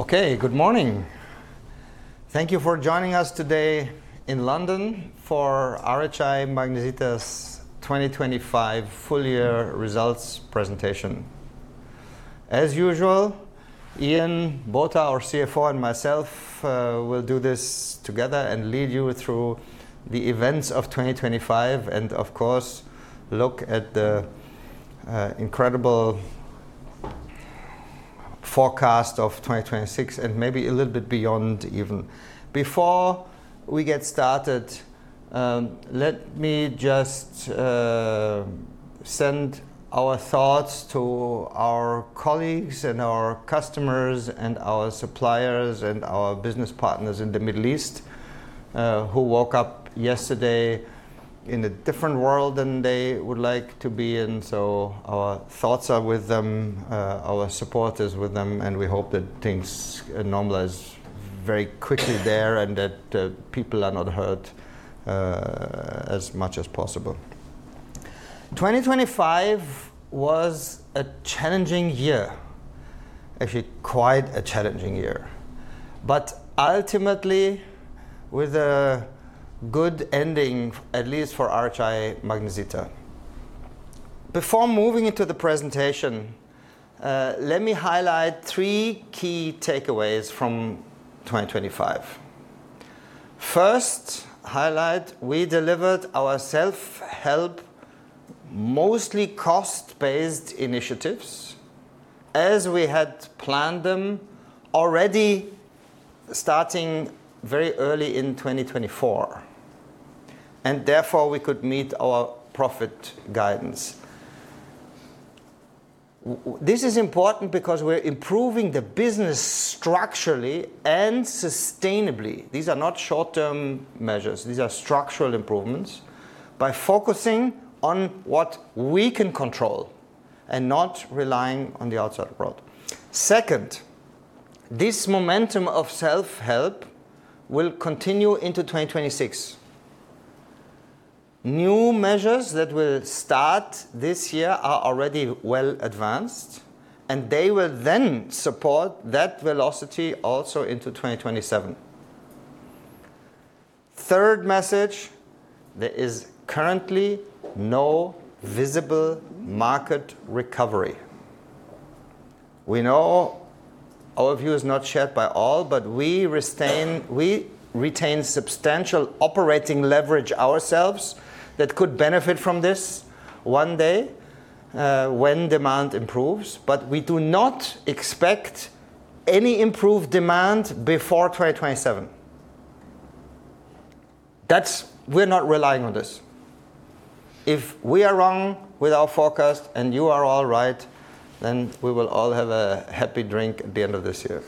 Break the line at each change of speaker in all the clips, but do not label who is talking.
Okay, good morning. Thank you for joining us today in London for RHI Magnesita's 2025 full year results presentation. As usual, Ian Botha, our CFO, and myself, will do this together and lead you through the events of 2025 and of course, look at the incredible forecast of 2026 and maybe a little bit beyond even. Before we get started, let me just send our thoughts to our colleagues and our customers and our suppliers and our business partners in the Middle East who woke up yesterday in a different world than they would like to be in. Our thoughts are with them. Our support is with them, and we hope that things normalize very quickly there and that people are not hurt as much as possible. 2025 was a challenging year. Actually, quite a challenging year. Ultimately with a good ending, at least for RHI Magnesita. Before moving into the presentation, let me highlight three key takeaways from 2025. First highlight, we delivered our self-help, mostly cost-based initiatives as we had planned them already starting very early in 2024, and therefore, we could meet our profit guidance. This is important because we're improving the business structurally and sustainably. These are not short-term measures. These are structural improvements by focusing on what we can control and not relying on the outside world. Second, this momentum of self-help will continue into 2026. New measures that will start this year are already well advanced, and they will then support that velocity also into 2027. Third message, there is currently no visible market recovery. We know our view is not shared by all, but we retain substantial operating leverage ourselves that could benefit from this one day, when demand improves. We do not expect any improved demand before 2027. We're not relying on this. If we are wrong with our forecast and you are all right, then we will all have a happy drink at the end of this year.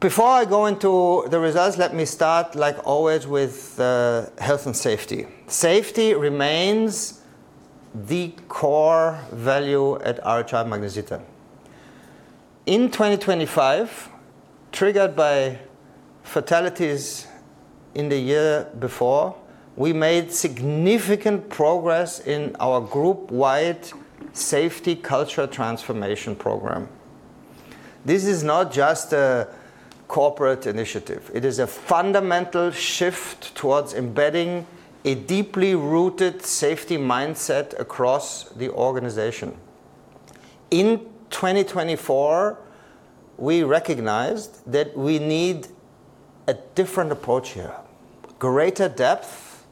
Before I go into the results, let me start, like always, with health and safety. Safety remains the core value at RHI Magnesita. In 2025, triggered by fatalities in the year before, we made significant progress in our group-wide safety culture transformation program. This is not just a corporate initiative, it is a fundamental shift towards embedding a deeply rooted safety mindset across the organization. In 2024, we recognized that we need a different approach here, greater depth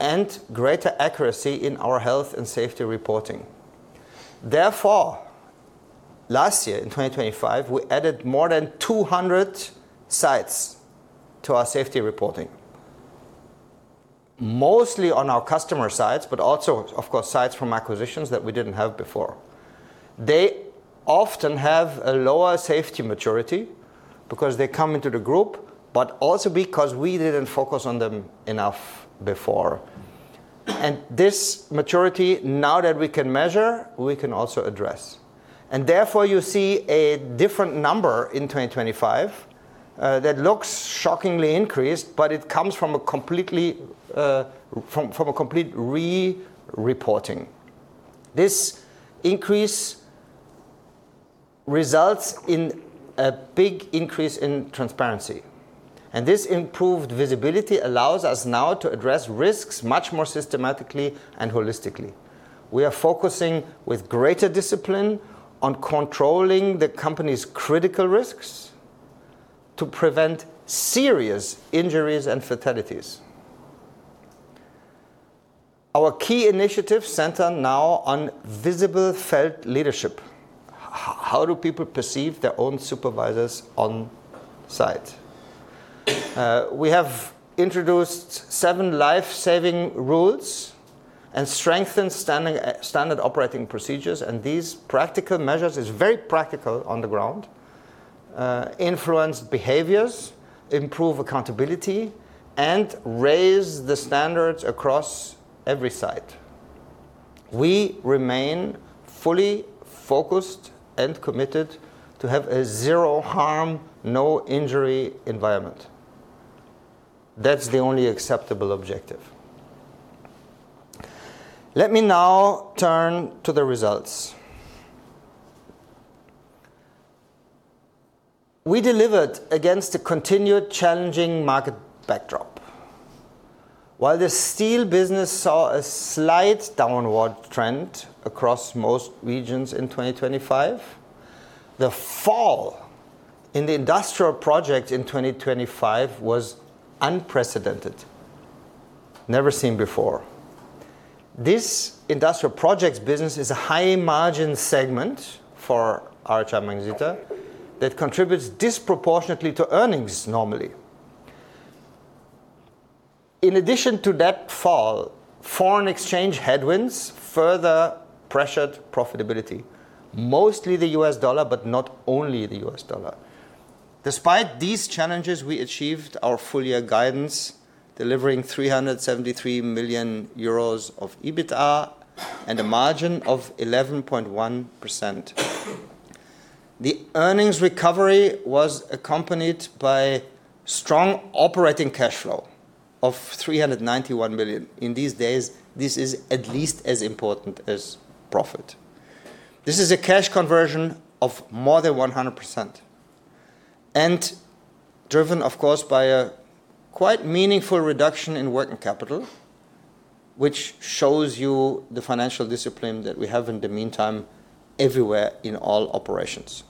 and greater accuracy in our health and safety reporting. Last year, in 2025, we added more than 200 sites to our safety reporting. Mostly on our customer sites, also, of course, sites from acquisitions that we didn't have before. They often have a lower safety maturity because they come into the group, also because we didn't focus on them enough before. This maturity, now that we can measure, we can also address. Therefore, you see a different number in 2025 that looks shockingly increased, it comes from a complete re-reporting. This increase results in a big increase in transparency, this improved visibility allows us now to address risks much more systematically and holistically. We are focusing with greater discipline on controlling the company's critical risks to prevent serious injuries and fatalities. Our key initiatives center now on Visible Felt Leadership. How do people perceive their own supervisors on site? We have introduced seven life-saving rules and strengthened standing, standard operating procedures, and these practical measures is very practical on the ground, influence behaviors, improve accountability, and raise the standards across every site. We remain fully focused and committed to have a zero harm, no injury environment. That's the only acceptable objective. Let me now turn to the results. We delivered against a continued challenging market backdrop. While the steel business saw a slight downward trend across most regions in 2025, the fall in the industrial project in 2025 was unprecedented. Never seen before. This industrial projects business is a high margin segment for RHI Magnesita that contributes disproportionately to earnings normally. In addition to that fall, foreign exchange headwinds further pressured profitability, mostly the U.S. dollar, but not only the U.S. dollar. Despite these challenges, we achieved our full year guidance, delivering 373 million euros of EBITDA and a margin of 11.1%. The earnings recovery was accompanied by strong operating cash flow of 391 million. In these days, this is at least as important as profit. This is a cash conversion of more than 100% and driven, of course, by a quite meaningful reduction in working capital, which shows you the financial discipline that we have in the meantime everywhere in all operations.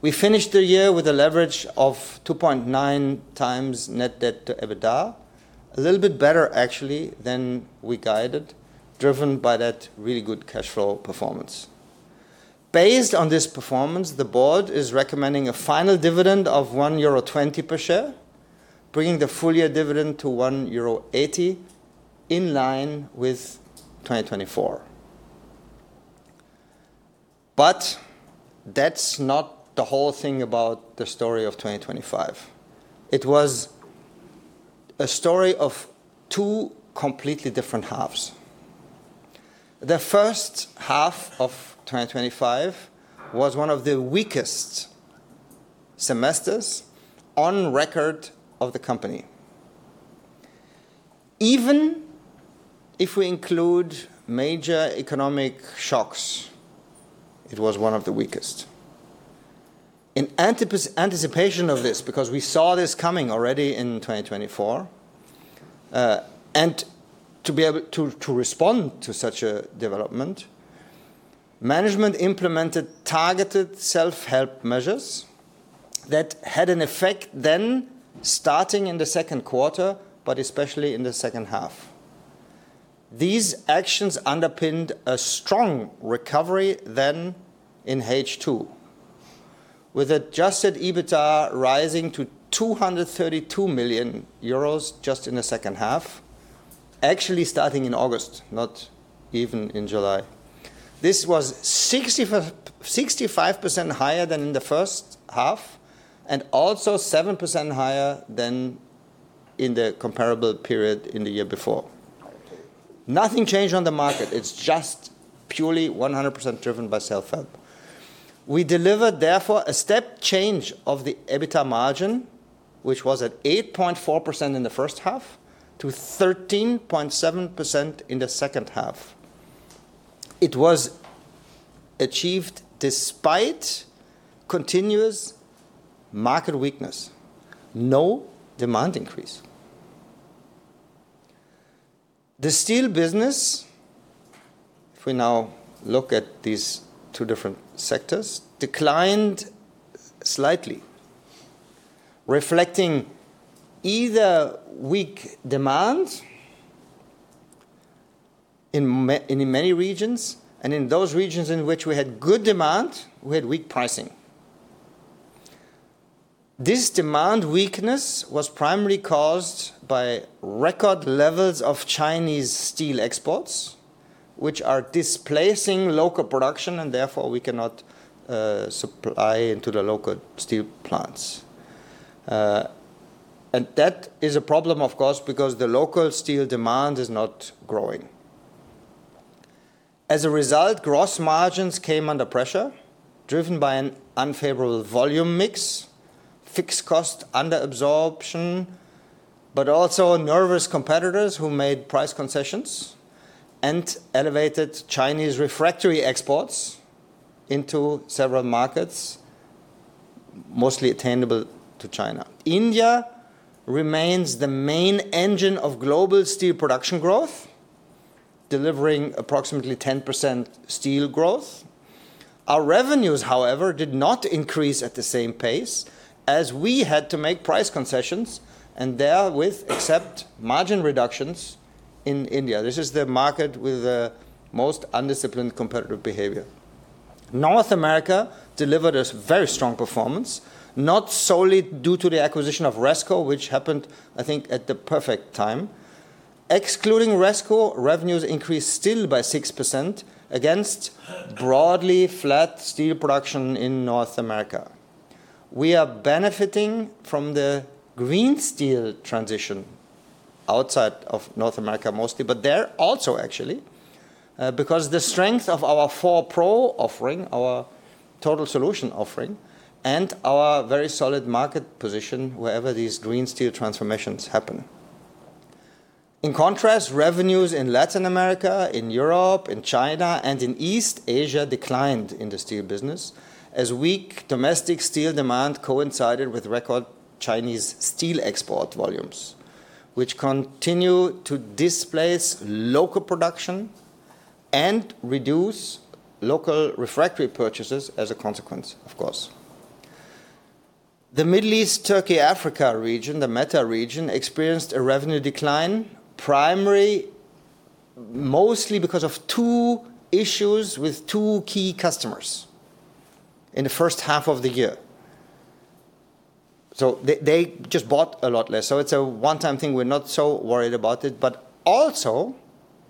We finished the year with a leverage of 2.9x net debt to EBITDA. A little bit better, actually, than we guided, driven by that really good cash flow performance. Based on this performance, the board is recommending a final dividend of 1.20 euro per share, bringing the full year dividend to 1.80 euro, in line with 2024. That's not the whole thing about the story of 2025. It was a story of two completely different halves. The first half of 2025 was one of the weakest semesters on record of the company. Even if we include major economic shocks, it was one of the weakest. In anticipation of this, because we saw this coming already in 2024, and to be able to respond to such a development, management implemented targeted self-help measures that had an effect then starting in the second quarter, but especially in the second half. These actions underpinned a strong recovery then in H2, with adjusted EBITDA rising to 232 million euros just in the second half, actually starting in August, not even in July. This was 65% higher than in the first half and also 7% higher than in the comparable period in the year before. Nothing changed on the market. It's just purely 100% driven by self-help. We delivered, therefore, a step change of the EBITDA margin, which was at 8.4% in the first half to 13.7% in the second half. It was achieved despite continuous market weakness. No demand increase. The steel business, if we now look at these two different sectors, declined slightly, reflecting either weak demand in many regions, and in those regions in which we had good demand, we had weak pricing. This demand weakness was primarily caused by record levels of Chinese steel exports, which are displacing local production, therefore we cannot supply into the local steel plants. That is a problem, of course, because the local steel demand is not growing. As a result, gross margins came under pressure, driven by an unfavorable volume mix, fixed cost under absorption, but also nervous competitors who made price concessions and elevated Chinese refractory exports into several markets, mostly attainable to China. India remains the main engine of global steel production growth, delivering approximately 10% steel growth. Our revenues, however, did not increase at the same pace as we had to make price concessions and therewith accept margin reductions in India. This is the market with the most undisciplined competitive behavior. North America delivered a very strong performance, not solely due to the acquisition of Resco, which happened, I think, at the perfect time. Excluding Resco, revenues increased still by 6% against broadly flat steel production in North America. We are benefiting from the green steel transition outside of North America mostly, but there also actually. Because the strength of our FLOW PRO offering, our total solution offering, and our very solid market position wherever these green steel transformations happen. In contrast, revenues in Latin America, in Europe, in China, and in East Asia declined in the steel business as weak domestic steel demand coincided with record Chinese steel export volumes, which continue to displace local production and reduce local refractory purchases as a consequence, of course. The Middle East, Turkey, Africa region, the META region, experienced a revenue decline primary mostly because of two issues with two key customers in the first half of the year. They just bought a lot less. It's a one-time thing, we're not so worried about it. Also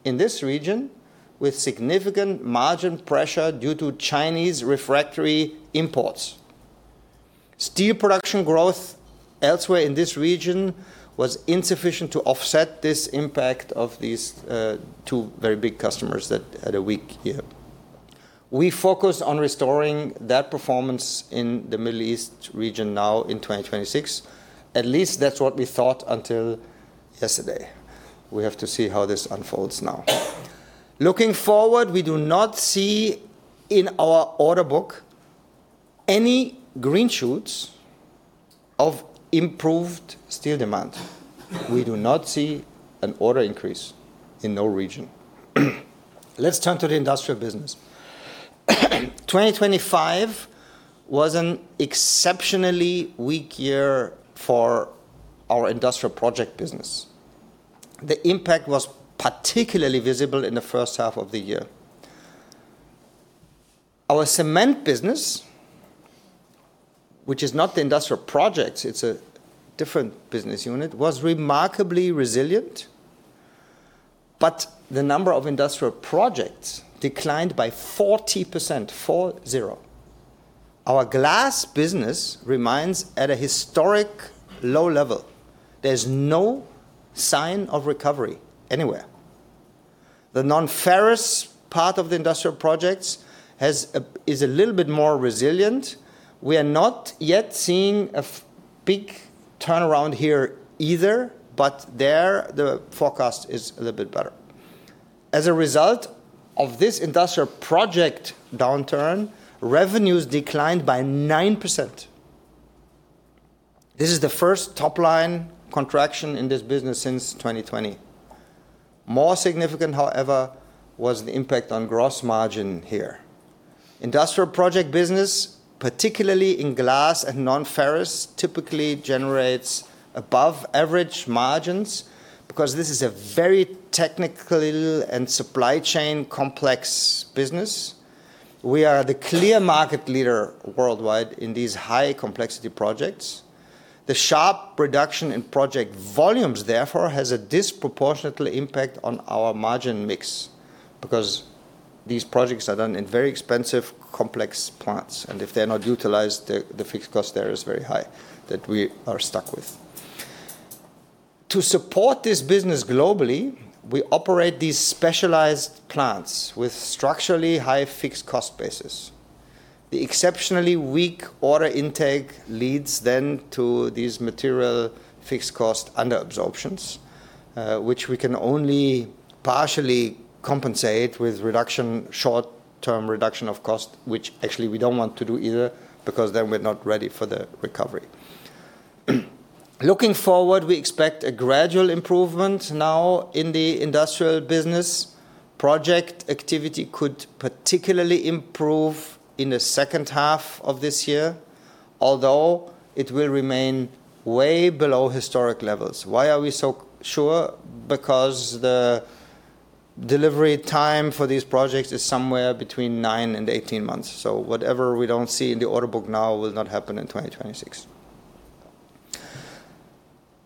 in this region, with significant margin pressure due to Chinese refractory imports. Steel production growth elsewhere in this region was insufficient to offset this impact of these two very big customers that had a weak year. We focused on restoring that performance in the Middle East region now in 2026. At least that's what we thought until yesterday. We have to see how this unfolds now. Looking forward, we do not see in our order book any green shoots of improved steel demand. We do not see an order increase in no region. Let's turn to the industrial business. 2025 was an exceptionally weak year for our industrial project business. The impact was particularly visible in the first half of the year. Our cement business, which is not the industrial projects, it's a different business unit, was remarkably resilient, the number of industrial projects declined by 40%, 40. Our glass business remains at a historic low level. There's no sign of recovery anywhere. The non-ferrous part of the industrial projects is a little bit more resilient. We are not yet seeing a big turnaround here either, there the forecast is a little bit better. As a result of this industrial project downturn, revenues declined by 9%. This is the first top-line contraction in this business since 2020. More significant, however, was the impact on gross margin here. Industrial project business, particularly in glass and non-ferrous, typically generates above average margins because this is a very technical and supply chain complex business. We are the clear market leader worldwide in these high complexity projects. The sharp reduction in project volumes therefore has a disproportionate impact on our margin mix because these projects are done in very expensive, complex plants, and if they're not utilized, the fixed cost there is very high that we are stuck with. To support this business globally, we operate these specialized plants with structurally high fixed cost bases. The exceptionally weak order intake leads then to these material fixed cost under absorptions, which we can only partially compensate with short-term reduction of cost, which actually we don't want to do either because then we're not ready for the recovery. Looking forward, we expect a gradual improvement now in the industrial business. Project activity could particularly improve in the second half of this year, although it will remain way below historic levels. Why are we so sure? The delivery time for these projects is somewhere between 9 and 18 months. Whatever we don't see in the order book now will not happen in 2026.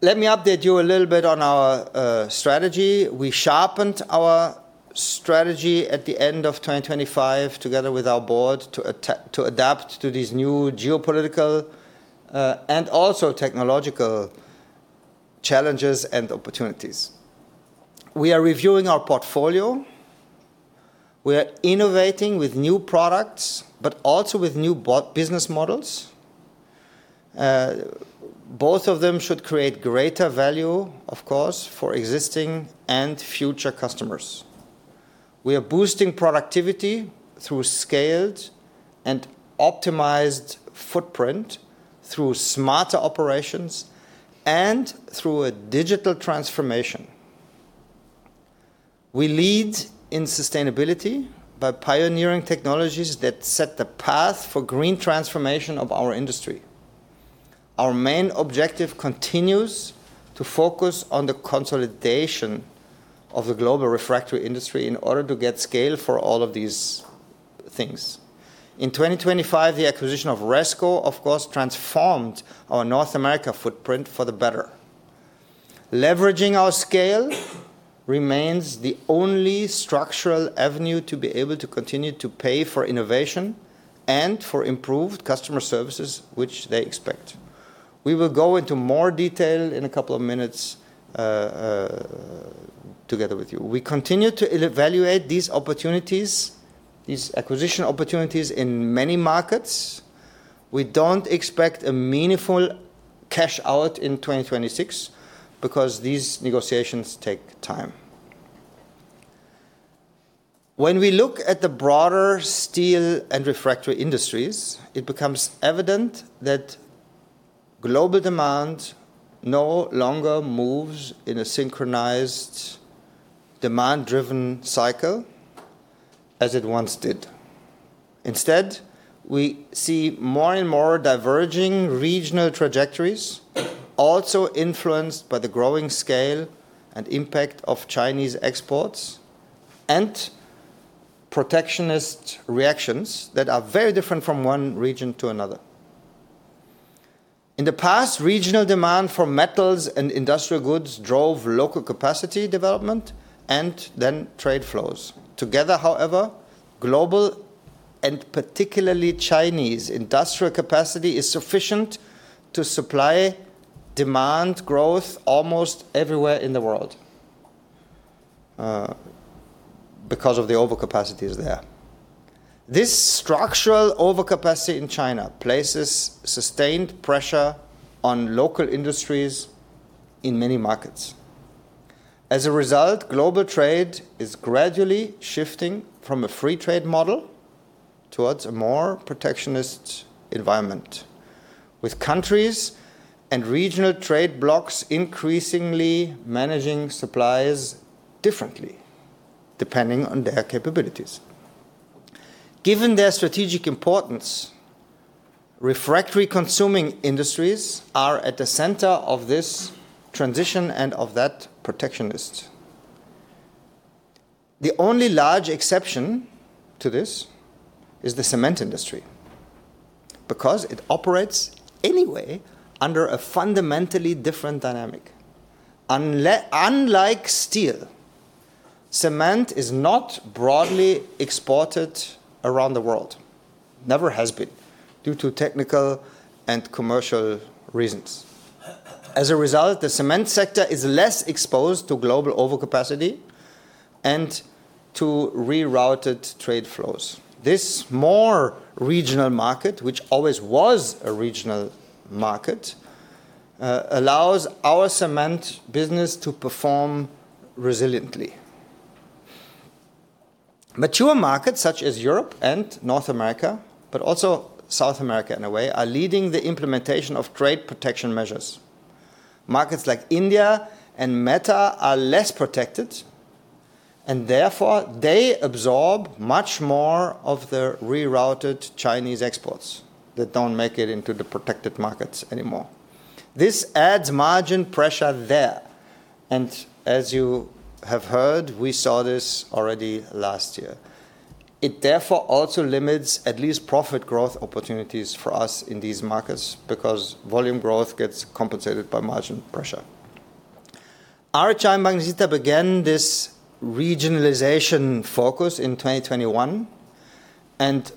Let me update you a little bit on our strategy. We sharpened our strategy at the end of 2025 together with our board to adapt to these new geopolitical and also technological challenges and opportunities. We are reviewing our portfolio. We are innovating with new products, but also with new business models. Both of them should create greater value, of course, for existing and future customers. We are boosting productivity through scaled and optimized footprint through smarter operations and through a digital transformation. We lead in sustainability by pioneering technologies that set the path for green transformation of our industry. Our main objective continues to focus on the consolidation of the global refractory industry in order to get scale for all of these things. In 2025, the acquisition of Resco, of course, transformed our North America footprint for the better. Leveraging our scale remains the only structural avenue to be able to continue to pay for innovation and for improved customer services, which they expect. We will go into more detail in a couple of minutes together with you. We continue to evaluate these opportunities, these acquisition opportunities in many markets. We don't expect a meaningful cash out in 2026 because these negotiations take time. When we look at the broader steel and refractory industries, it becomes evident that global demand no longer moves in a synchronized demand-driven cycle as it once did. Instead, we see more and more diverging regional trajectories also influenced by the growing scale and impact of Chinese exports and protectionist reactions that are very different from one region to another. In the past, regional demand for metals and industrial goods drove local capacity development and then trade flows. Together, however, global and particularly Chinese industrial capacity is sufficient to supply demand growth almost everywhere in the world, because of the overcapacities there. This structural overcapacity in China places sustained pressure on local industries in many markets. As a result, global trade is gradually shifting from a free trade model towards a more protectionist environment, with countries and regional trade blocs increasingly managing supplies differently depending on their capabilities. Given their strategic importance, refractory-consuming industries are at the center of this transition and of that protectionist. The only large exception to this is the cement industry, because it operates anyway under a fundamentally different dynamic. Unlike steel, cement is not broadly exported around the world, never has been, due to technical and commercial reasons. As a result, the cement sector is less exposed to global overcapacity and to rerouted trade flows. This more regional market, which always was a regional market, allows our cement business to perform resiliently. Mature markets such as Europe and North America, but also South America in a way, are leading the implementation of trade protection measures. Markets like India and Meta are less protected, and therefore they absorb much more of the rerouted Chinese exports that don't make it into the protected markets anymore. This adds margin pressure there, and as you have heard, we saw this already last year. It therefore also limits at least profit growth opportunities for us in these markets because volume growth gets compensated by margin pressure. Our China Magnitogorsk began this regionalization focus in 2021, and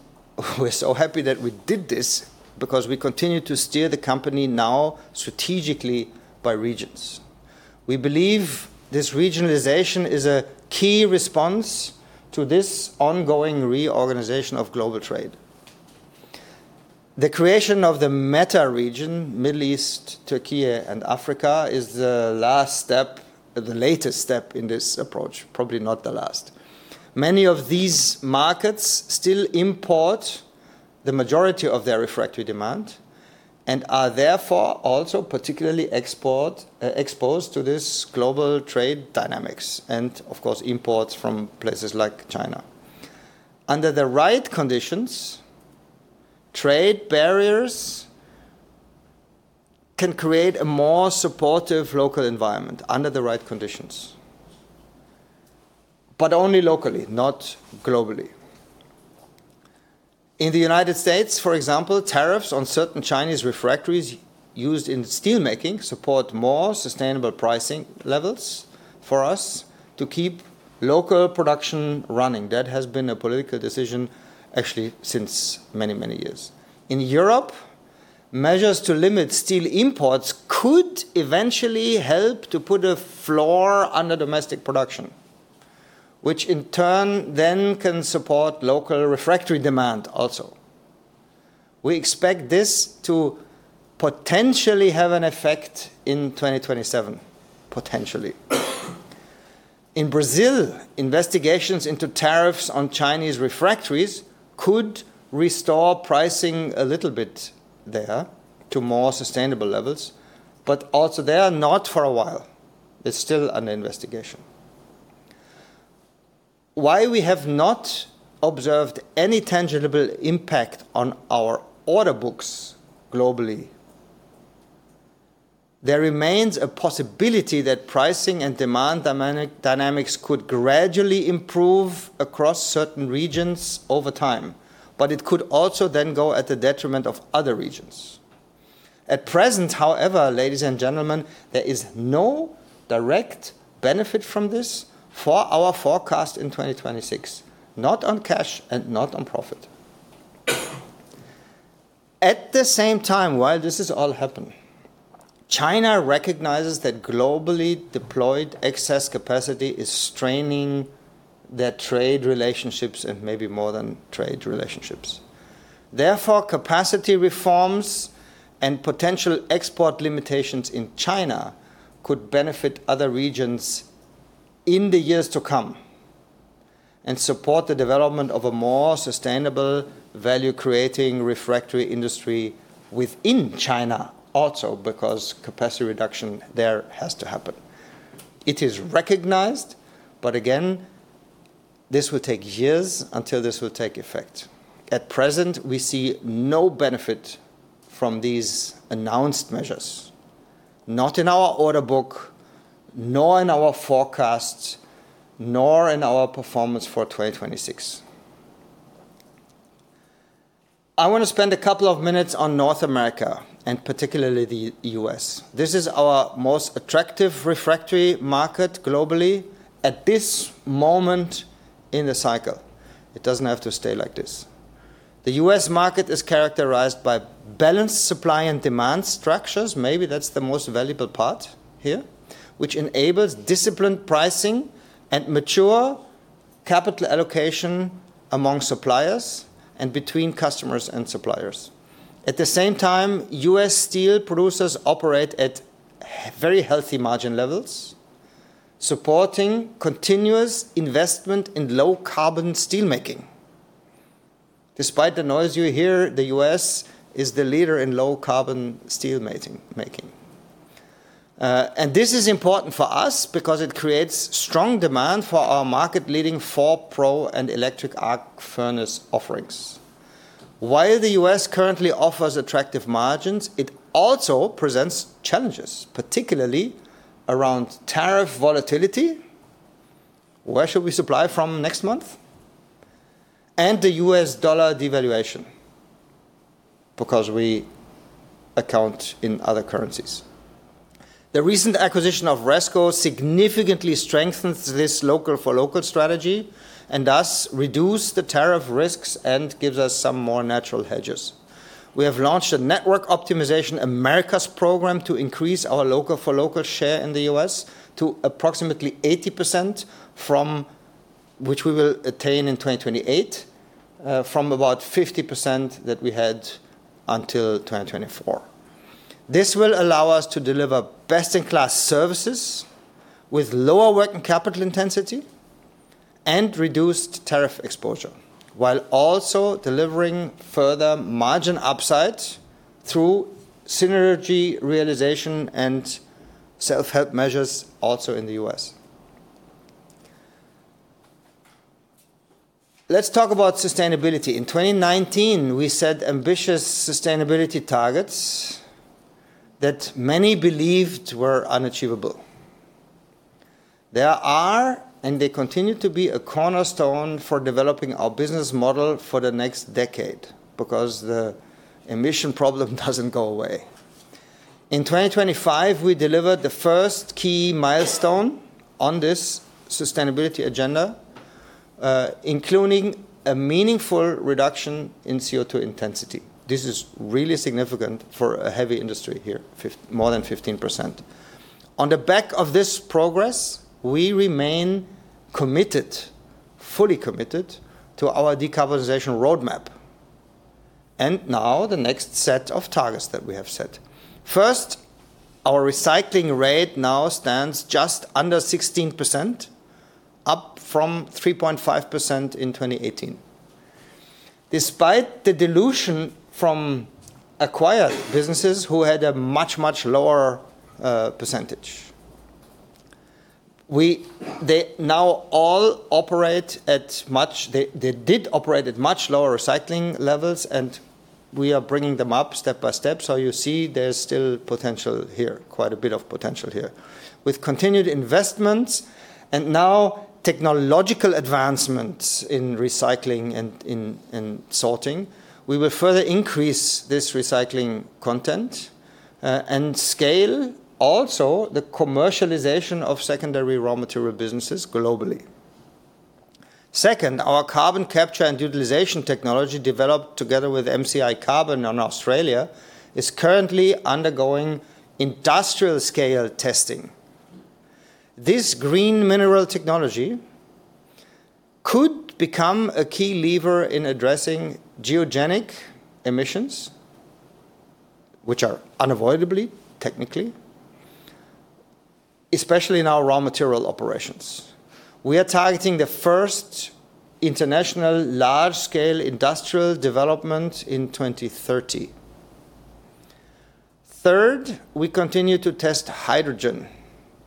we're so happy that we did this because we continue to steer the company now strategically by regions. We believe this regionalization is a key response to this ongoing reorganization of global trade. The creation of the META region, Middle East, Türkiye, and Africa, is the last step, the latest step in this approach, probably not the last. Many of these markets still import the majority of their refractory demand and are therefore also particularly export exposed to this global trade dynamics, and of course, imports from places like China. Under the right conditions, trade barriers can create a more supportive local environment under the right conditions, but only locally, not globally. In the United States, for example, tariffs on certain Chinese refractories used in steel making support more sustainable pricing levels for us to keep local production running. That has been a political decision actually since many, many years. In Europe, measures to limit steel imports could eventually help to put a floor under domestic production, which in turn then can support local refractory demand also. We expect this to potentially have an effect in 2027, potentially. In Brazil, investigations into tariffs on Chinese refractories could restore pricing a little bit there to more sustainable levels, but also there, not for a while. It's still under investigation. While we have not observed any tangible impact on our order books globally, there remains a possibility that pricing and demand dynamics could gradually improve across certain regions over time, it could also then go at the detriment of other regions. At present, however, ladies and gentlemen, there is no direct benefit from this for our forecast in 2026, not on cash and not on profit. At the same time, while this is all happening, China recognizes that globally deployed excess capacity is straining their trade relationships and maybe more than trade relationships. Capacity reforms and potential export limitations in China could benefit other regions in the years to come and support the development of a more sustainable value-creating refractory industry within China also, because capacity reduction there has to happen. It is recognized, again, this will take years until this will take effect. At present, we see no benefit from these announced measures, not in our order book, nor in our forecasts, nor in our performance for 2026. I wanna spend a couple of minutes on North America, and particularly the U.S. This is our most attractive refractory market globally at this moment in the cycle. It doesn't have to stay like this. The U.S. market is characterized by balanced supply and demand structures, maybe that's the most valuable part here, which enables disciplined pricing and mature capital allocation among suppliers and between customers and suppliers. At the same time, U.S. steel producers operate at very healthy margin levels, supporting continuous investment in low carbon steel making. Despite the noise you hear, the U.S. is the leader in low carbon steel making. This is important for us because it creates strong demand for our market-leading FLOW PRO and electric arc furnace offerings. While the U.S. currently offers attractive margins, it also presents challenges, particularly around tariff volatility, where should we supply from next month, and the U.S. dollar devaluation, because we account in other currencies. The recent acquisition of Resco significantly strengthens this local-for-local strategy and thus reduce the tariff risks and gives us some more natural hedges. We have launched a network optimization Americas program to increase our local-for-local share in the U.S. to approximately 80%, which we will attain in 2028, from about 50% that we had until 2024. This will allow us to deliver best-in-class services with lower working capital intensity and reduced tariff exposure, while also delivering further margin upside through synergy realization and self-help measures also in the U.S. Let's talk about sustainability. In 2019, we set ambitious sustainability targets that many believed were unachievable. There are, and they continue to be, a cornerstone for developing our business model for the next decade, because the emission problem doesn't go away. In 2025, we delivered the first key milestone on this sustainability agenda, including a meaningful reduction in CO2 intensity. This is really significant for a heavy industry here, more than 15%. On the back of this progress, we remain fully committed to our decarbonization roadmap and now the next set of targets that we have set. First, our recycling rate now stands just under 16%, up from 3.5% in 2018. Despite the dilution from acquired businesses who had a much lower percentage, They did operate at much lower recycling levels. We are bringing them up step by step. You see there's still potential here, quite a bit of potential here. With continued investments now technological advancements in recycling and in sorting, we will further increase this recycling content, scale also the commercialization of secondary raw material businesses globally. Second, our carbon capture and utilization technology developed together with MCi Carbon in Australia is currently undergoing industrial-scale testing. This Green Minerals Technology could become a key lever in addressing geogenic emissions, which are unavoidably, technically, especially in our raw material operations. We are targeting the first international large-scale industrial development in 2030. Third, we continue to test hydrogen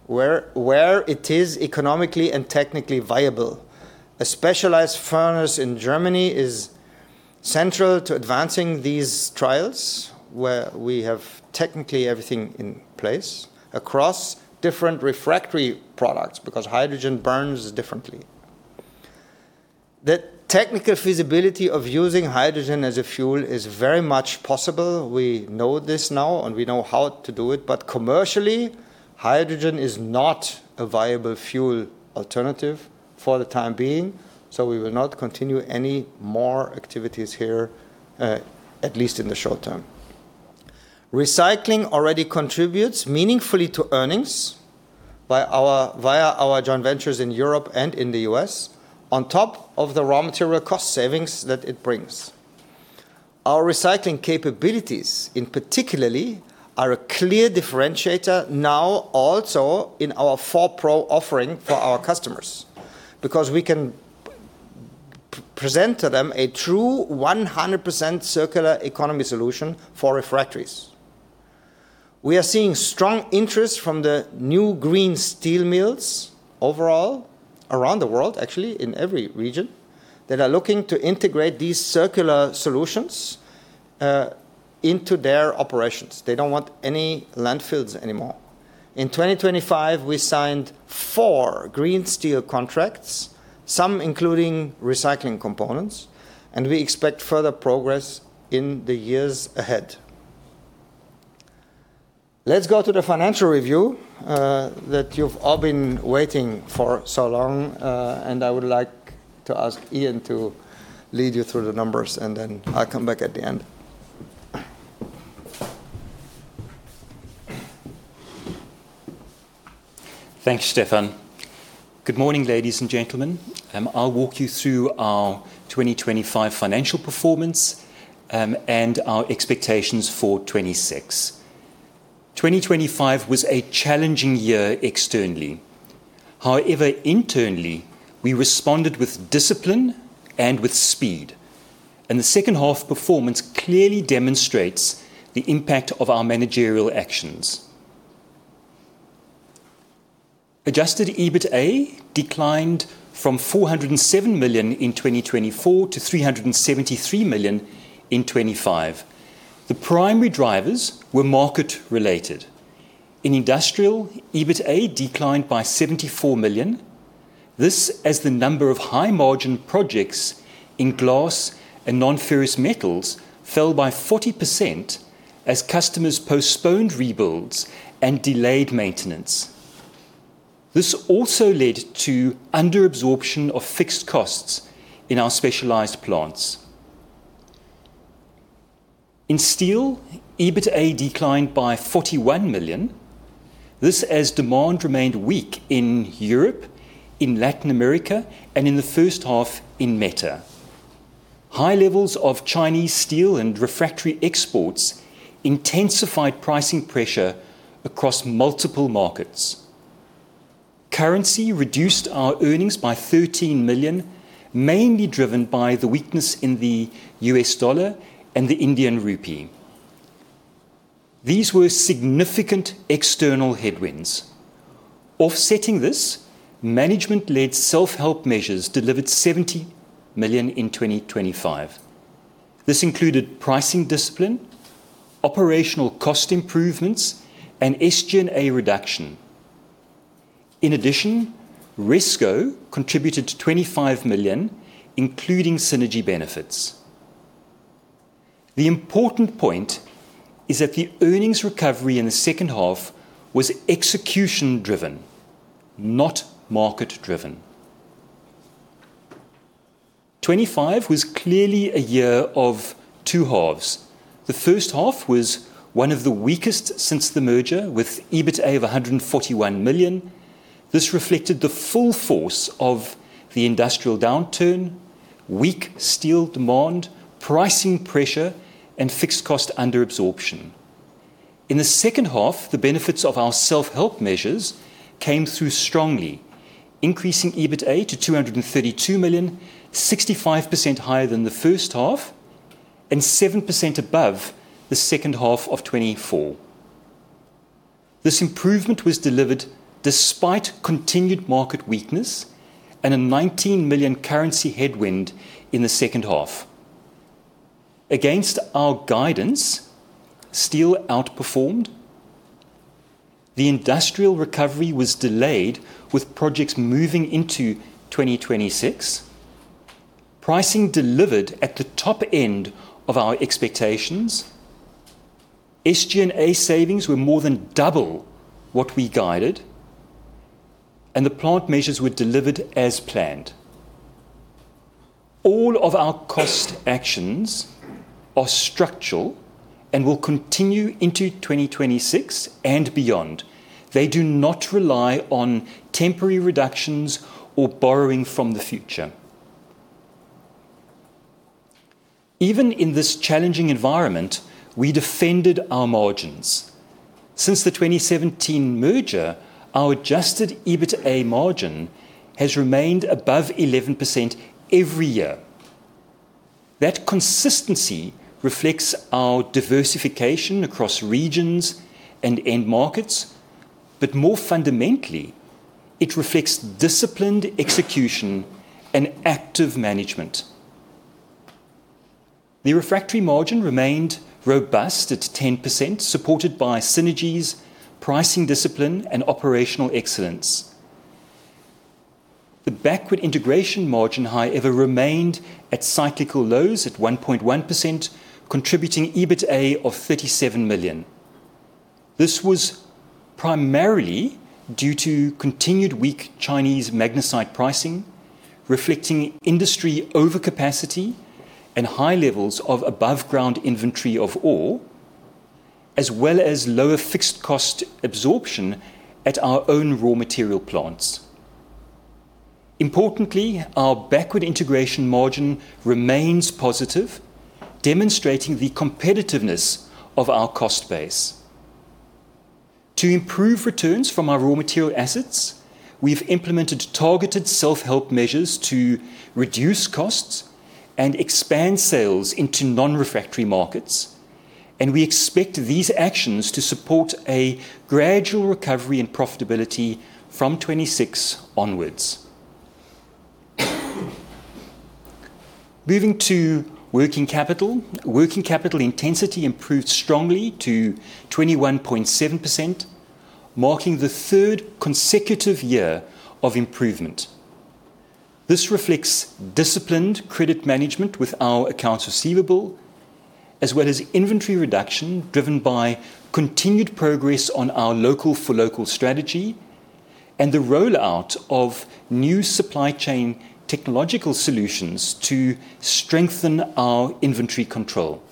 where it is economically and technically viable. A specialized furnace in Germany is central to advancing these trials, where we have technically everything in place across different refractory products, because hydrogen burns differently. The technical feasibility of using hydrogen as a fuel is very much possible. We know this now, and we know how to do it. Commercially, hydrogen is not a viable fuel alternative for the time being. We will not continue any more activities here, at least in the short term. Recycling already contributes meaningfully to earnings via our joint ventures in Europe and in the U.S. on top of the raw material cost savings that it brings. Our recycling capabilities in particularly are a clear differentiator now also in our FLOW PRO offering for our customers because we can present to them a true 100% circular economy solution for refractories. We are seeing strong interest from the new green steel mills overall around the world, actually in every region, that are looking to integrate these circular solutions into their operations. They don't want any landfills anymore. In 2025, we signed four green steel contracts, some including recycling components. We expect further progress in the years ahead. Let's go to the financial review that you've all been waiting for so long. I would like to ask Ian to lead you through the numbers, then I'll come back at the end.
Thanks, Stefan. Good morning, ladies and gentlemen. I'll walk you through our 2025 financial performance and our expectations for 2026. 2025 was a challenging year externally. However, internally, we responded with discipline and with speed, and the second half performance clearly demonstrates the impact of our managerial actions. Adjusted EBITDA declined from 407 million in 2024 to 373 million in 2025. The primary drivers were market related. In industrial, EBITDA declined by 74 million. This as the number of high margin projects in glass and non-ferrous metals fell by 40% as customers postponed rebuilds and delayed maintenance. This also led to under absorption of fixed costs in our specialized plants. In steel, EBITDA declined by 41 million. This as demand remained weak in Europe, in Latin America, and in the first half in META. High levels of Chinese steel and refractory exports intensified pricing pressure across multiple markets. Currency reduced our earnings by 13 million, mainly driven by the weakness in the U.S. dollar and the Indian rupee. These were significant external headwinds. Offsetting this, management-led self-help measures delivered 70 million in 2025. This included pricing discipline, operational cost improvements, and SG&A reduction. In addition, Resco contributed to 25 million, including synergy benefits. The important point is that the earnings recovery in the second half was execution driven, not market driven. 2025 was clearly a year of two halves. The first half was one of the weakest since the merger with EBITDA of 141 million. This reflected the full force of the industrial downturn, weak steel demand, pricing pressure, and fixed cost under absorption. In the second half, the benefits of our self-help measures came through strongly, increasing EBITDA to 232 million, 65% higher than the first half and 7% above the second half of 2024. This improvement was delivered despite continued market weakness and a 19 million currency headwind in the second half. Against our guidance, steel outperformed. The industrial recovery was delayed with projects moving into 2026. Pricing delivered at the top end of our expectations. SG&A savings were more than double what we guided, and the plant measures were delivered as planned. All of our cost actions are structural and will continue into 2026 and beyond. They do not rely on temporary reductions or borrowing from the future. Even in this challenging environment, we defended our margins. Since the 2017 merger, our adjusted EBITDA margin has remained above 11% every year. That consistency reflects our diversification across regions and end markets, but more fundamentally, it reflects disciplined execution and active management. The refractory margin remained robust at 10%, supported by synergies, pricing discipline, and operational excellence. The backward integration margin, however, remained at cyclical lows at 1.1%, contributing EBITDA of 37 million. This was primarily due to continued weak Chinese magnesite pricing, reflecting industry overcapacity and high levels of above-ground inventory of ore, as well as lower fixed cost absorption at our own raw material plants. Importantly, our backward integration margin remains positive, demonstrating the competitiveness of our cost base. To improve returns from our raw material assets, we've implemented targeted self-help measures to reduce costs and expand sales into non-refractory markets. We expect these actions to support a gradual recovery in profitability from 2026 onwards. Moving to working capital. Working capital intensity improved strongly to 21.7%, marking the third consecutive year of improvement. This reflects disciplined credit management with our accounts receivable, as well as inventory reduction driven by continued progress on our local-for-local strategy and the rollout of new supply chain technological solutions to strengthen our inventory control.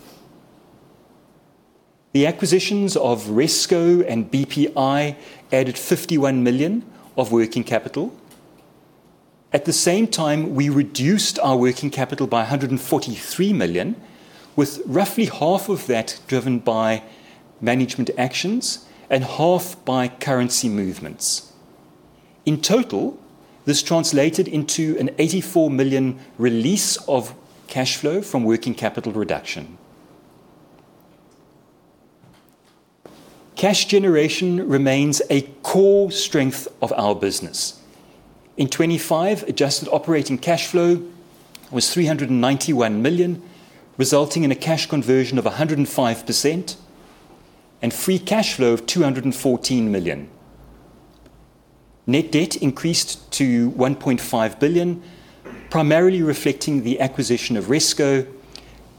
The acquisitions of Resco and BPI added 51 million of working capital. At the same time, we reduced our working capital by 143 million, with roughly half of that driven by management actions and half by currency movements. In total, this translated into an 84 million release of cash flow from working capital reduction. Cash generation remains a core strength of our business. In 2025, adjusted operating cash flow was 391 million, resulting in a cash conversion of 105% and free cash flow of 214 million. Net debt increased to 1.5 billion, primarily reflecting the acquisition of Resco.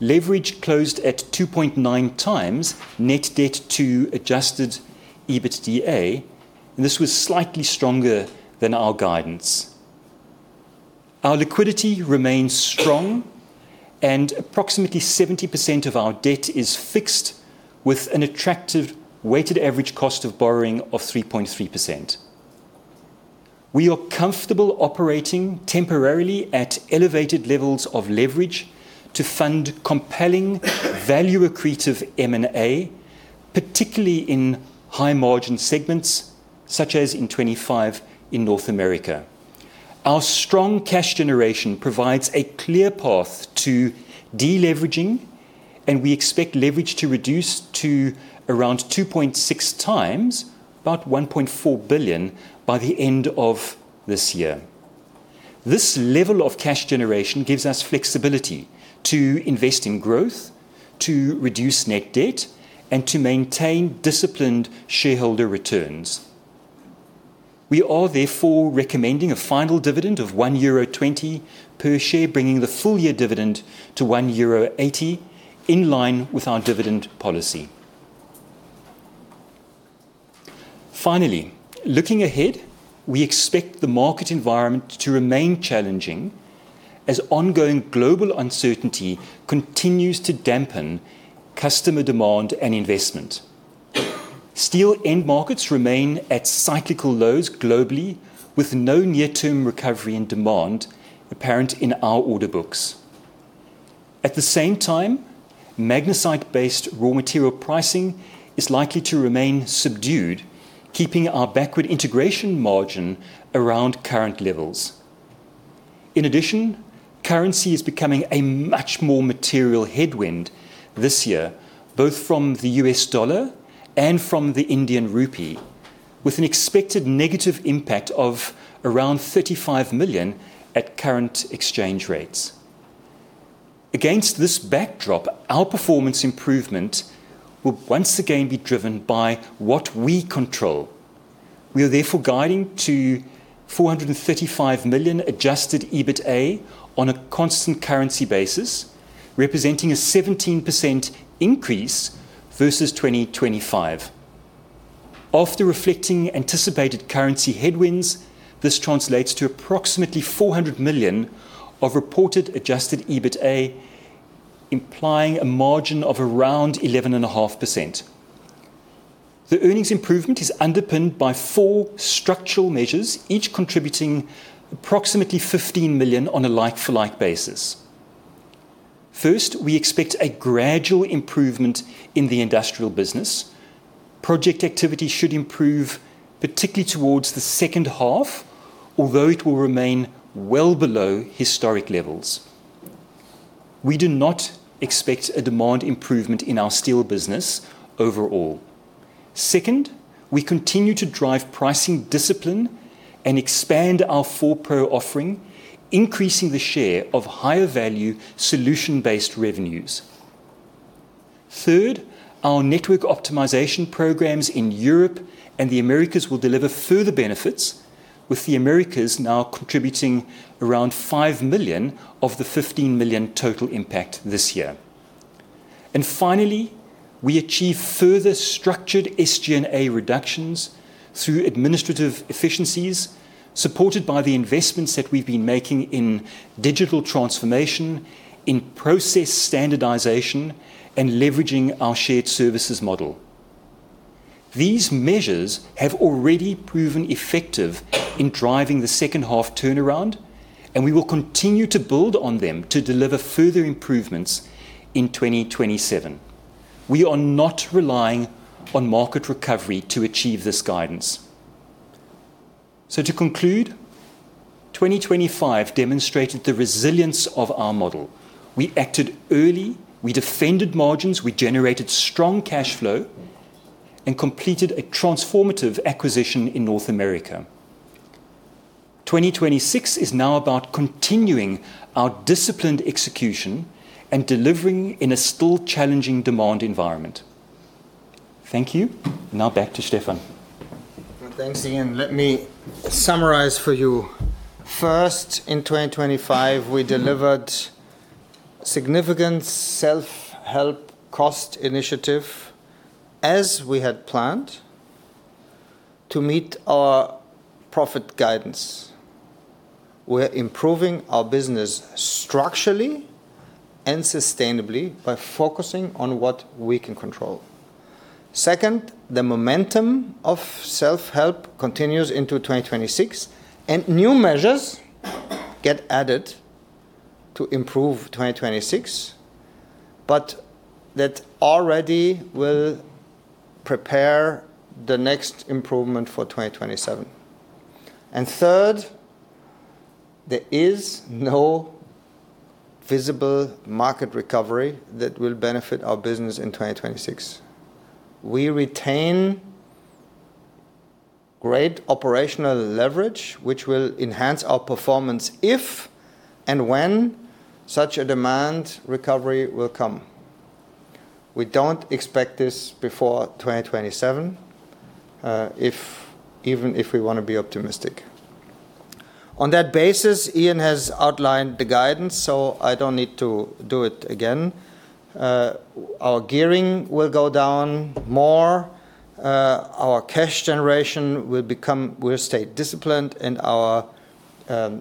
Leverage closed at 2.9x net debt to adjusted EBITDA. This was slightly stronger than our guidance. Our liquidity remains strong and approximately 70% of our debt is fixed with an attractive weighted average cost of borrowing of 3.3%. We are comfortable operating temporarily at elevated levels of leverage to fund compelling value accretive M&A, particularly in high-margin segments, such as in 2025 in North America. Our strong cash generation provides a clear path to deleveraging, and we expect leverage to reduce to around 2.6x, about 1.4 billion by the end of this year. This level of cash generation gives us flexibility to invest in growth, to reduce net debt, and to maintain disciplined shareholder returns. We are therefore recommending a final dividend of 1.20 euro per share, bringing the full year dividend to 1.80 euro, in line with our dividend policy. Looking ahead, we expect the market environment to remain challenging as ongoing global uncertainty continues to dampen customer demand and investment. Steel end markets remain at cyclical lows globally, with no near-term recovery and demand apparent in our order books. At the same time, magnesite-based raw material pricing is likely to remain subdued, keeping our backward integration margin around current levels. Currency is becoming a much more material headwind this year, both from the U.S. dollar and from the Indian rupee, with an expected negative impact of around 35 million at current exchange rates. Against this backdrop, our performance improvement will once again be driven by what we control. We are therefore guiding to 435 million adjusted EBITDA on a constant currency basis, representing a 17% increase versus 2025. After reflecting anticipated currency headwinds, this translates to approximately 400 million of reported adjusted EBITDA, implying a margin of around 11.5%. The earnings improvement is underpinned by four structural measures, each contributing approximately 15 million on a like-for-like basis. First, we expect a gradual improvement in the industrial business. Project activity should improve particularly towards the second half, although it will remain well below historic levels. We do not expect a demand improvement in our steel business overall. Second, we continue to drive pricing discipline and expand our FLOW PRO offering, increasing the share of higher value solution-based revenues. Third, our network optimization programs in Europe and the Americas will deliver further benefits, with the Americas now contributing around 5 million of the 15 million total impact this year. Finally, we achieve further structured SG&A reductions through administrative efficiencies, supported by the investments that we've been making in digital transformation, in process standardization, and leveraging our shared services model. These measures have already proven effective in driving the second half turnaround. We will continue to build on them to deliver further improvements in 2027. We are not relying on market recovery to achieve this guidance. To conclude, 2025 demonstrated the resilience of our model. We acted early, we defended margins, we generated strong cash flow, and completed a transformative acquisition in North America. 2026 is now about continuing our disciplined execution and delivering in a still challenging demand environment. Thank you. Now back to Stefan.
Well, thanks, Ian. Let me summarize for you. First, in 2025, we delivered significant self-help cost initiative as we had planned to meet our profit guidance. We're improving our business structurally and sustainably by focusing on what we can control. Second, the momentum of self-help continues into 2026, and new measures get added to improve 2026, but that already will prepare the next improvement for 2027. Third, there is no visible market recovery that will benefit our business in 2026. We retain great operational leverage, which will enhance our performance if and when such a demand recovery will come. We don't expect this before 2027, even if we wanna be optimistic. On that basis, Ian has outlined the guidance, so I don't need to do it again. Our gearing will go down more, our cash generation will stay disciplined, and our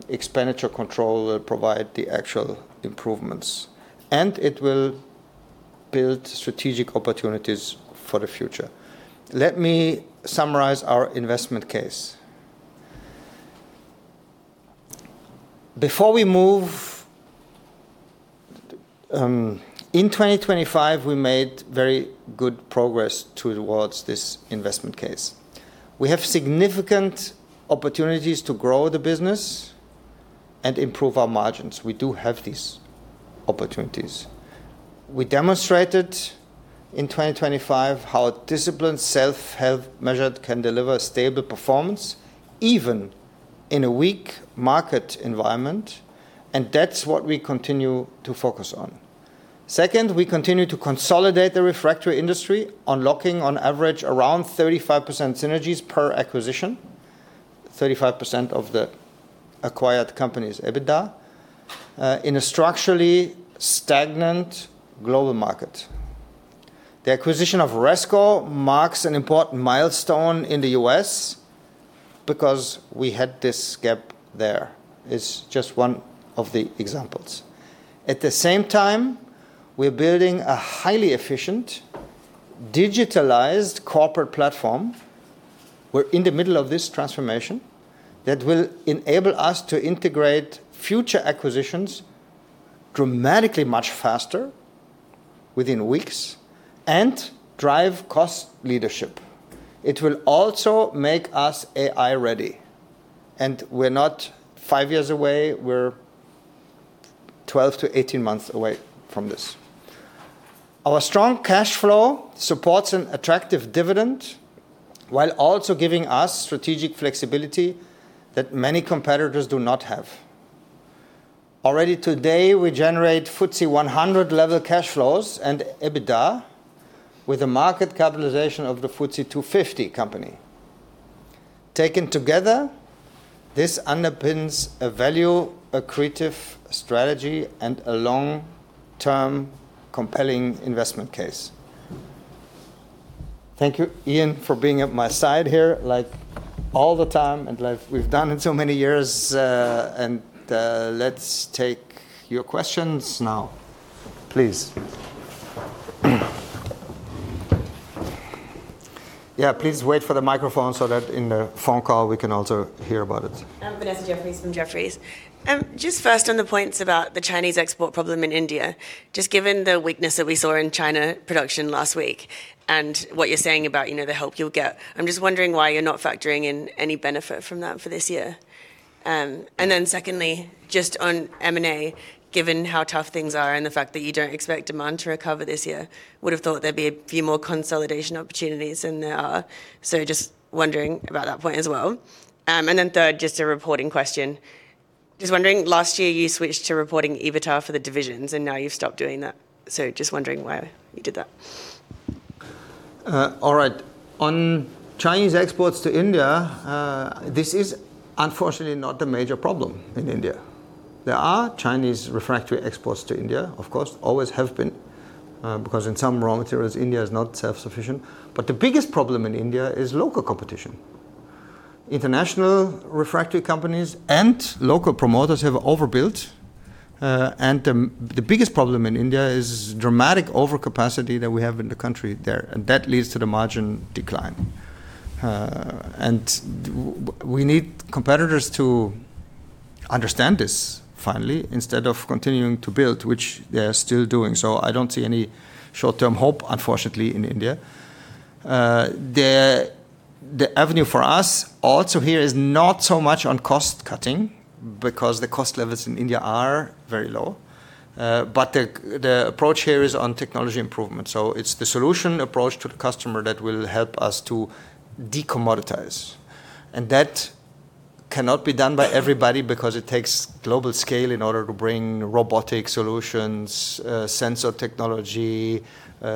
expenditure control will provide the actual improvements, and it will build strategic opportunities for the future. Let me summarize our investment case. Before we move, in 2025, we made very good progress towards this investment case. We have significant opportunities to grow the business and improve our margins. We do have these opportunities. We demonstrated in 2025 how a disciplined self-help measured can deliver stable performance, even in a weak market environment, and that's what we continue to focus on. Second, we continue to consolidate the refractory industry, unlocking on average around 35% synergies per acquisition, 35% of the acquired company's EBITDA, in a structurally stagnant global market. The acquisition of Resco marks an important milestone in the U.S. because we had this gap there. It's just one of the examples. At the same time, we're building a highly efficient, digitalized corporate platform. We're in the middle of this transformation that will enable us to integrate future acquisitions dramatically much faster within weeks and drive cost leadership. It will also make us AI ready, and we're not five years away. We're 12 to 18 months away from this. Our strong cash flow supports an attractive dividend while also giving us strategic flexibility that many competitors do not have. Already today, we generate FTSE 100 level cash flows and EBITDA with a market capitalization of the FTSE 250 company. Taken together, this underpins a value, accretive strategy and a long-term compelling investment case. Thank you, Ian, for being at my side here, like all the time and like we've done in so many years. Let's take your questions now. Please. Yeah, please wait for the microphone so that in the phone call we can also hear about it.
I'm Vanessa Jeffriess from Jefferies. Just first on the points about the Chinese export problem in India, just given the weakness that we saw in China production last week and what you're saying about, you know, the help you'll get, I'm just wondering why you're not factoring in any benefit from that for this year. Secondly, just on M&A, given how tough things are and the fact that you don't expect demand to recover this year, would have thought there'd be a few more consolidation opportunities than there are. Just wondering about that point as well. Third, just a reporting question. Just wondering, last year you switched to reporting EBITDA for the divisions, and now you've stopped doing that. Just wondering why you did that.
All right. On Chinese exports to India, this is unfortunately not a major problem in India. There are Chinese refractory exports to India, of course, always have been, because in some raw materials India is not self-sufficient. The biggest problem in India is local competition. International refractory companies and local promoters have overbuilt. The biggest problem in India is dramatic overcapacity that we have in the country there, and that leads to the margin decline. We need competitors to understand this finally, instead of continuing to build, which they are still doing. I don't see any short-term hope, unfortunately, in India. The avenue for us also here is not so much on cost-cutting, because the cost levels in India are very low. The approach here is on technology improvement. It's the solution approach to the customer that will help us to decommoditize. That cannot be done by everybody because it takes global scale in order to bring robotic solutions, sensor technology,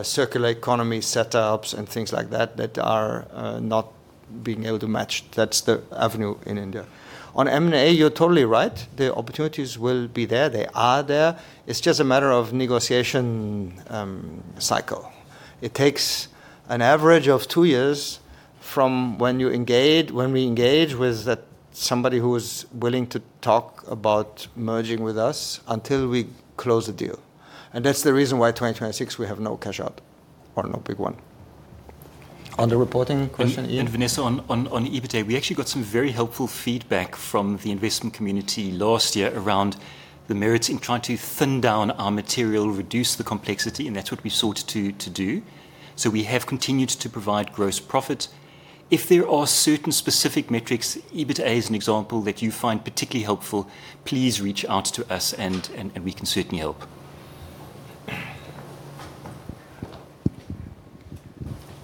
Circular Economy setups and things like that are not being able to match. That's the avenue in India. On M&A, you're totally right. The opportunities will be there. They are there. It's just a matter of negotiation, cycle. It takes an average of two years from when we engage with that somebody who is willing to talk about merging with us until we close the deal, and that's the reason why 2026 we have no cash out or no big one. On the reporting question, Ian?
Vanessa, on EBITDA, we actually got some very helpful feedback from the investment community last year around the merits in trying to thin down our material, reduce the complexity, and that's what we sought to do. We have continued to provide gross profit. If there are certain specific metrics, EBITDA as an example, that you find particularly helpful, please reach out to us and we can certainly help.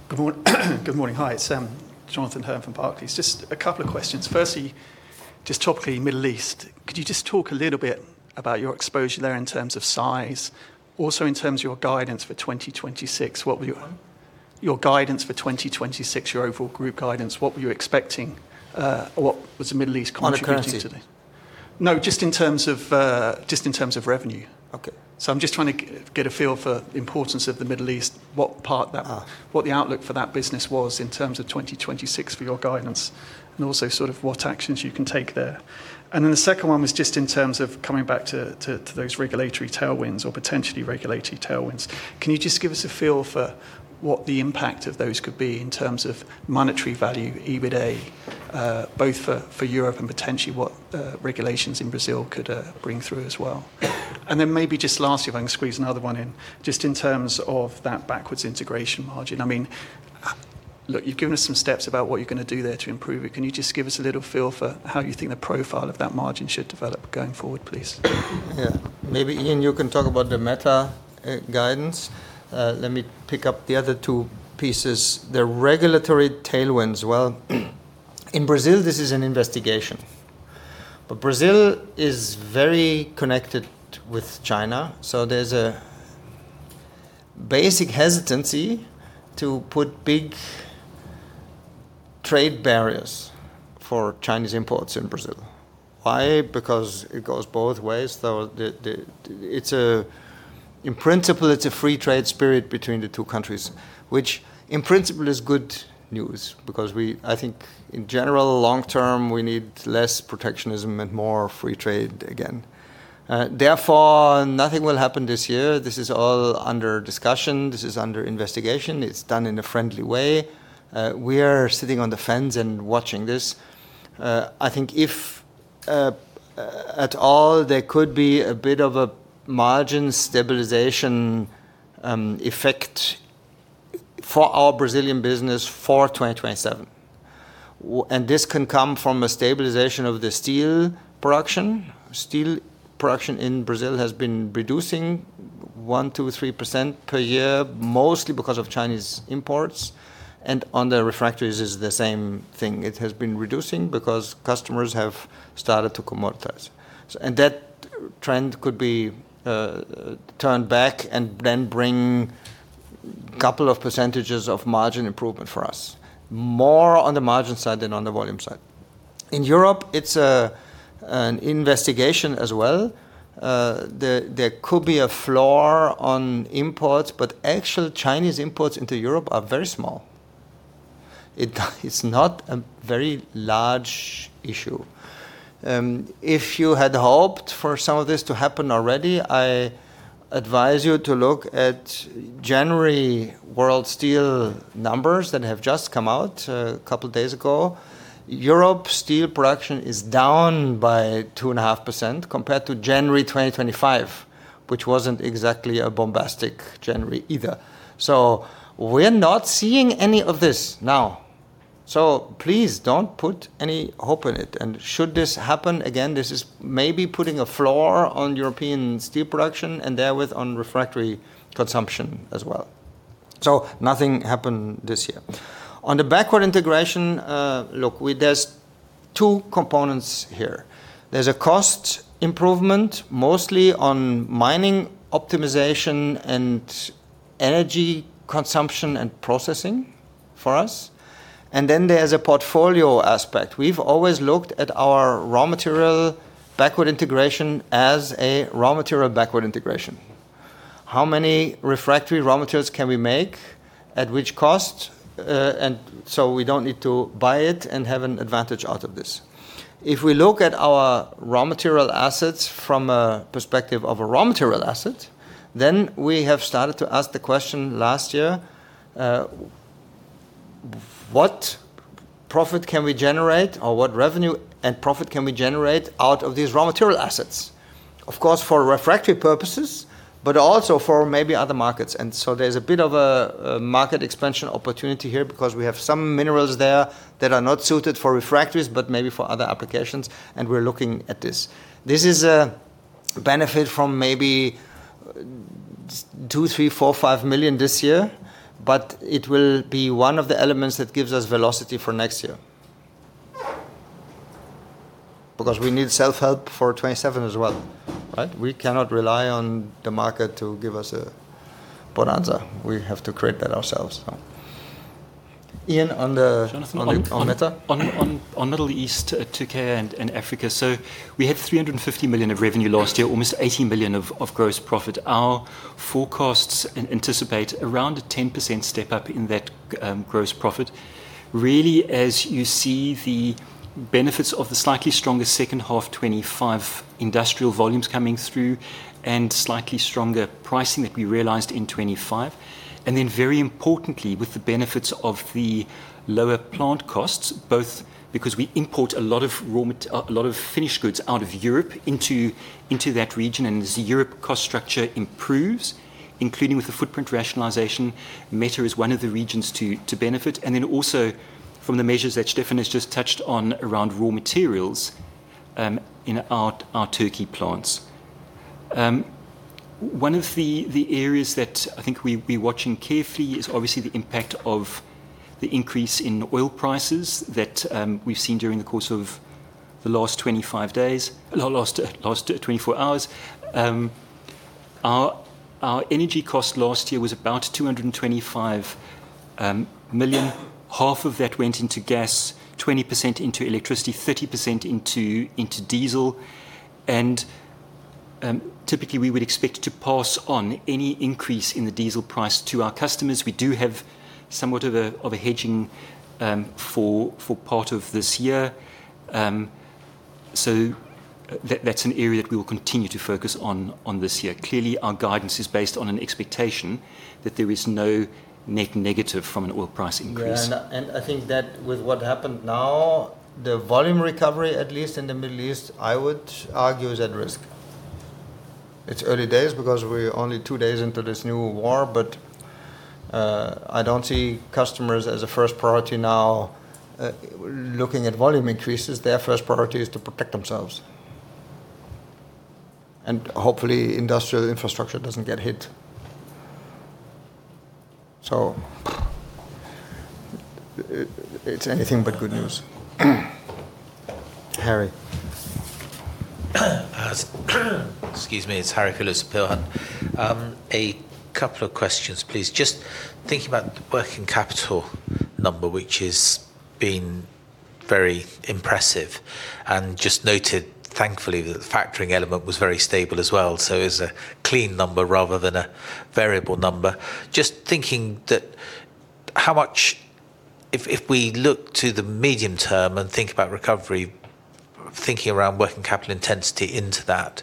Good morning. Hi, it's Jonathan Hurn from Barclays. Just a couple of questions. Firstly, just topically, Middle East. Could you just talk a little bit about your exposure there in terms of size? Also in terms of your guidance for 2026.
Pardon?
Your guidance for 2026, your overall group guidance, what were you expecting? What was the Middle East contributing to?
On the currency?
No, just in terms of, just in terms of revenue.
Okay.
I'm just trying to get a feel for the importance of the Middle East, what part.
Uh.
What the outlook for that business was in terms of 2026 for your guidance and also sort of what actions you can take there. The second one was just in terms of coming back to those regulatory tailwinds or potentially regulatory tailwinds. Can you just give us a feel for what the impact of those could be in terms of monetary value, EBITDA, both for Europe and potentially what regulations in Brazil could bring through as well? Maybe just lastly, if I can squeeze another one in, just in terms of that backward integration margin. I mean, look, you've given us some steps about what you're gonna do there to improve it. Can you just give us a little feel for how you think the profile of that margin should develop going forward, please?
Yeah. Maybe, Ian, you can talk about the META guidance. Let me pick up the other two pieces. The regulatory tailwinds. Well, in Brazil, this is an investigation. Brazil is very connected with China, so there's a basic hesitancy to put big trade barriers for Chinese imports in Brazil. Why? Because it goes both ways, though in principle it's a free trade spirit between the two countries, which in principle is good news because I think in general long term we need less protectionism and more free trade again. Therefore, nothing will happen this year. This is all under discussion. This is under investigation. It's done in a friendly way. We are sitting on the fence and watching this. I think if at all there could be a bit of a margin stabilization effect for our Brazilian business for 2027, and this can come from a stabilization of the steel production. Steel production in Brazil has been reducing 1%, 2%, 3% per year, mostly because of Chinese imports and on the refractories is the same thing. It has been reducing because customers have started to commoditize. That trend could be turned back and then bring couple of percentages of margin improvement for us, more on the margin side than on the volume side. In Europe, it's an investigation as well. There could be a floor on imports, but actual Chinese imports into Europe are very small. It's not a very large issue. If you had hoped for some of this to happen already, I advise you to look at January world steel numbers that have just come out a couple days ago. Europe steel production is down by 2.5% compared to January 2025, which wasn't exactly a bombastic January either. We're not seeing any of this now. Please don't put any hope in it. Should this happen again, this is maybe putting a floor on European steel production and therewith on refractory consumption as well. Nothing happened this year. On the backward integration, look, there's two components here. There's a cost improvement, mostly on mining optimization and energy consumption and processing for us. There's a portfolio aspect. We've always looked at our raw material backward integration as a raw material backward integration. How many refractory raw materials can we make at which cost, and so we don't need to buy it and have an advantage out of this? If we look at our raw material assets from a perspective of a raw material asset, then we have started to ask the question last year, what profit can we generate or what revenue and profit can we generate out of these raw material assets? Of course, for refractory purposes, but also for maybe other markets. There's a bit of a market expansion opportunity here because we have some minerals there that are not suited for refractories, but maybe for other applications, and we're looking at this. This is a benefit from maybe 2 million-5 million this year, but it will be one of the elements that gives us velocity for next year. We need self-help for 27 as well, right? We cannot rely on the market to give us a bonanza. We have to create that ourselves, so. Ian, on the-
Jonathan
on META.
On Middle East, Turkey, and Africa. We had 350 million of revenue last year, almost 80 million of gross profit. Our forecasts anticipate around a 10% step-up in that gross profit. Really, as you see the benefits of the slightly stronger second half 2025 industrial volumes coming through and slightly stronger pricing that we realized in 2025. Very importantly, with the benefits of the lower plant costs, both because we import a lot of raw materials a lot of finished goods out of Europe into that region. As the Europe cost structure improves, including with the footprint rationalization, META is one of the regions to benefit. Then also from the measures that Stefan has just touched on around raw materials in our Turkey plants. One of the areas that I think we'll be watching carefully is obviously the impact of the increase in oil prices that we've seen during the course of the last 25 days. Last 24 hours. Our energy cost last year was about 225 million. Half of that went into gas, 20% into electricity, 30% into diesel. Typically, we would expect to pass on any increase in the diesel price to our customers. We do have somewhat of a hedging for part of this year. That's an area that we will continue to focus on this year. Clearly, our guidance is based on an expectation that there is no net negative from an oil price increase.
Yeah. I think that with what happened now, the volume recovery, at least in the Middle East, I would argue is at risk. It's early days because we're only two days into this new war, but I don't see customers as a first priority now looking at volume increases. Their first priority is to protect themselves. Hopefully, industrial infrastructure doesn't get hit. It's anything but good news. Harry.
Excuse me. It's Harry Gillis at Berenberg. A couple of questions, please. Just thinking about the working capital number, which has been very impressive. Just noted, thankfully, that the factoring element was very stable as well. It's a clean number rather than a variable number. Just thinking that how much if we look to the medium term and think about recovery, thinking around working capital intensity into that,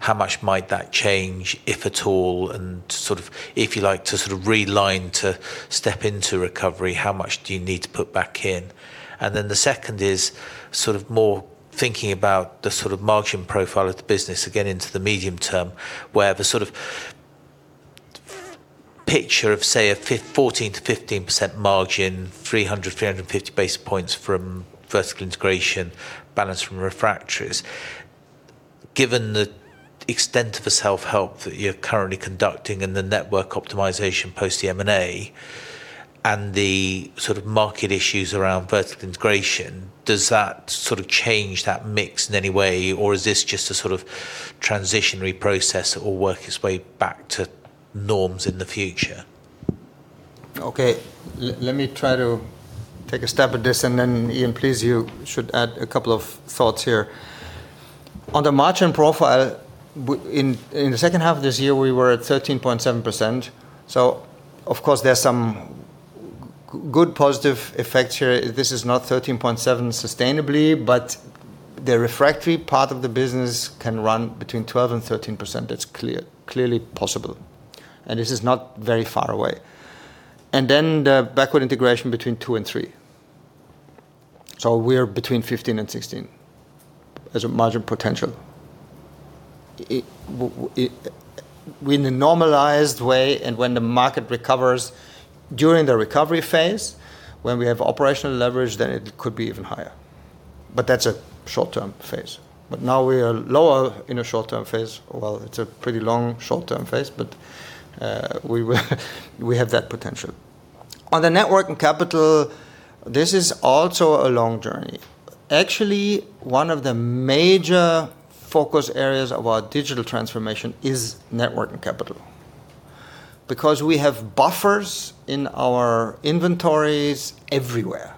how much might that change, if at all, and sort of, if you like, to realign to step into recovery, how much do you need to put back in? Then the second is sort of more thinking about the sort of margin profile of the business, again, into the medium term, where the sort of picture of, say, a 14%-15% margin, 300, 350 basis points from vertical integration balanced from refractories. Given the extent of the self-help that you're currently conducting and the network optimization post the M&A and the sort of market issues around vertical integration, does that sort of change that mix in any way, or is this just a sort of transitionary process that will work its way back to norms in the future?
Okay. Let me try to take a stab at this. Ian, please, you should add a couple of thoughts here. On the margin profile, in the second half of this year, we were at 13.7%. Of course, there's some good positive effects here. This is not 13.7% sustainably, but the refractory part of the business can run between 12% and 13%. It's clearly possible. This is not very far away. The backward integration between 2% and 3%. We're between 15% and 16% as a margin potential. In a normalized way and when the market recovers during the recovery phase, when we have operational leverage, then it could be even higher. That's a short-term phase. Now we are lower in a short-term phase. Well, it's a pretty long short-term phase, but, we have that potential. On the network and capital, this is also a long journey. Actually, one of the major focus areas of our digital transformation is network and capital. Because we have buffers in our inventories everywhere.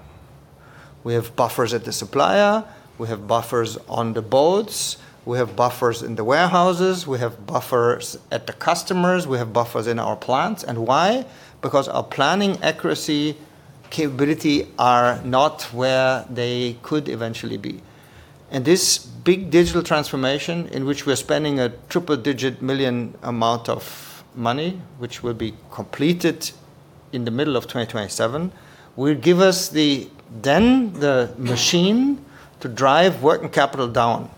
We have buffers at the supplier, we have buffers on the boats, we have buffers in the warehouses, we have buffers at the customers, we have buffers in our plants. Why? Because our planning accuracy capability are not where they could eventually be. This big digital transformation in which we're spending a triple digit million amount of money, which will be completed in the middle of 2027, will give us the, then the machine to drive working capital down.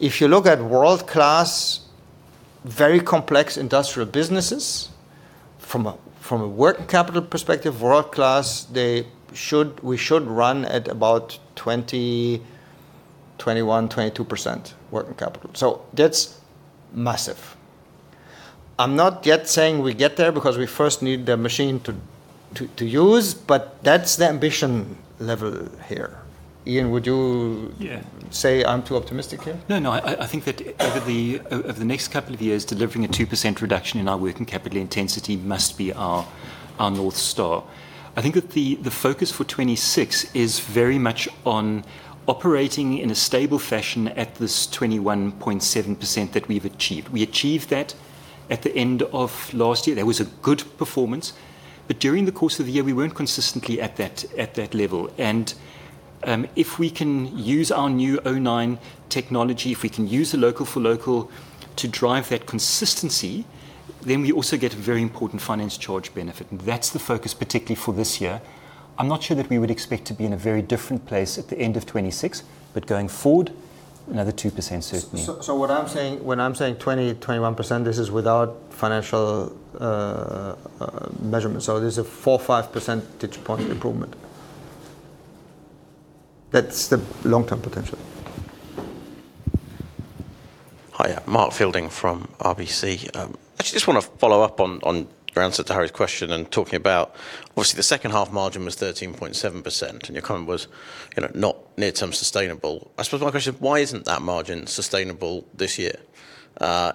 If you look at world-class, very complex industrial businesses, from a working capital perspective, world-class, we should run at about 20%, 21%, 22% working capital. That's massive. I'm not yet saying we get there because we first need the machine to use, that's the ambition level here. Ian, would you-
Yeah
Say I'm too optimistic here?
No, I think that over the next couple of years, delivering a 2% reduction in our working capital intensity must be our North Star. I think that the focus for 2026 is very much on operating in a stable fashion at this 21.7% that we've achieved. We achieved that at the end of last year. There was a good performance. During the course of the year, we weren't consistently at that level. If we can use our new o9 technology, if we can use the local-for-local to drive that consistency, we also get a very important finance charge benefit. That's the focus, particularly for this year. I'm not sure that we would expect to be in a very different place at the end of 2026, but going forward, another 2% certainly.
What I'm saying, when I'm saying 21%, this is without financial measurement. There's a 5% data point improvement. That's the long-term potential.
Hi, Mark Fielding from RBC. Actually just want to follow up on your answer to Harry's question and talking about, obviously, the second half margin was 13.7%, and your comment was, you know, not near-term sustainable. I suppose my question, why isn't that margin sustainable this year?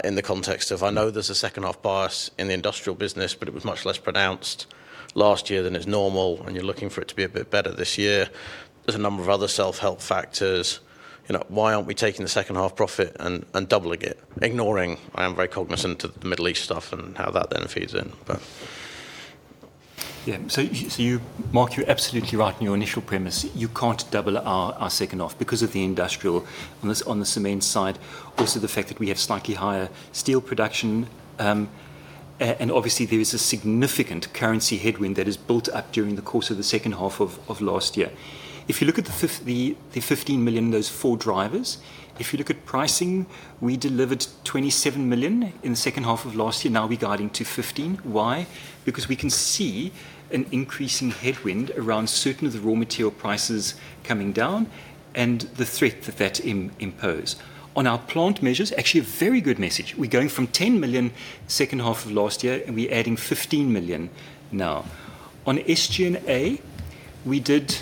In the context of I know there's a second half bias in the industrial business, but it was much less pronounced last year than is normal, and you're looking for it to be a bit better this year. There's a number of other self-help factors. You know, why aren't we taking the second half profit and doubling it? Ignoring, I am very cognizant of the Middle East stuff and how that then feeds in.
Mark, you're absolutely right in your initial premise. You can't double our second half because of the industrial on the cement side. The fact that we have slightly higher steel production, and obviously, there is a significant currency headwind that has built up during the course of the second half of last year. If you look at the 15 million, those four drivers, if you look at pricing, we delivered 27 million in the second half of last year. We're guiding to 15 million. Why? We can see an increasing headwind around certain of the raw material prices coming down and the threat that that impose. On our plant measures, actually a very good message. We're going from 10 million second half of last year, and we're adding 15 million now. On SG&A, we did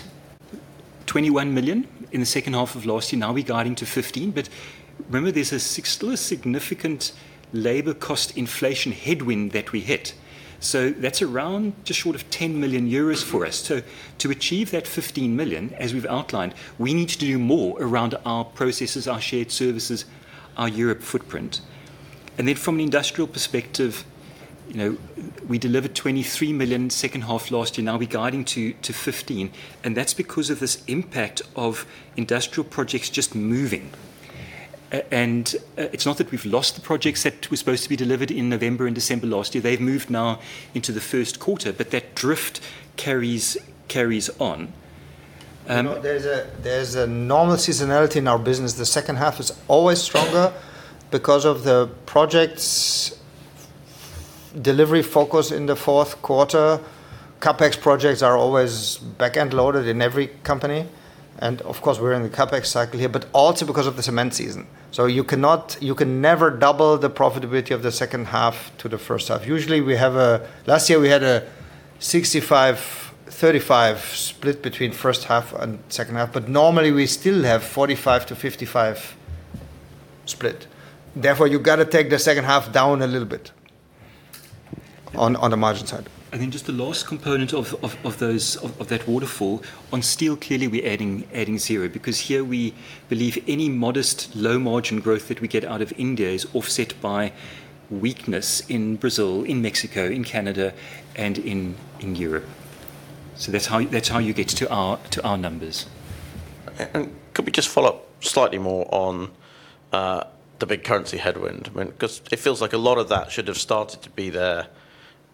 21 million in the 2nd half of last year. Now we're guiding to 15. Remember, there's still a significant labor cost inflation headwind that we hit. That's around just short of 10 million euros for us. To achieve that 15 million, as we've outlined, we need to do more around our processes, our shared services, our Europe footprint. From an industrial perspective, you know, we delivered 23 million 2nd half last year. Now we're guiding to 15, and that's because of this impact of industrial projects just moving. It's not that we've lost the projects that were supposed to be delivered in November and December last year. They've moved now into the 1st quarter, but that drift carries on.
You know, there's a normal seasonality in our business. The second half is always stronger because of the projects delivery focus in the fourth quarter. CapEx projects are always back-end loaded in every company. Of course, we're in the CapEx cycle here, but also because of the cement season. You can never double the profitability of the second half to the first half. Usually, we have a Last year, we had a 65-35 split between first half and second half, but normally we still have 45-55 split. You've got to take the second half down a little bit on the margin side.
Just the last component of that waterfall. On steel, clearly, we're adding zero because here we believe any modest low margin growth that we get out of India is offset by weakness in Brazil, in Mexico, in Canada, and in Europe. That's how you get to our numbers.
Could we just follow up slightly more on the big currency headwind? I mean, 'cause it feels like a lot of that should have started to be there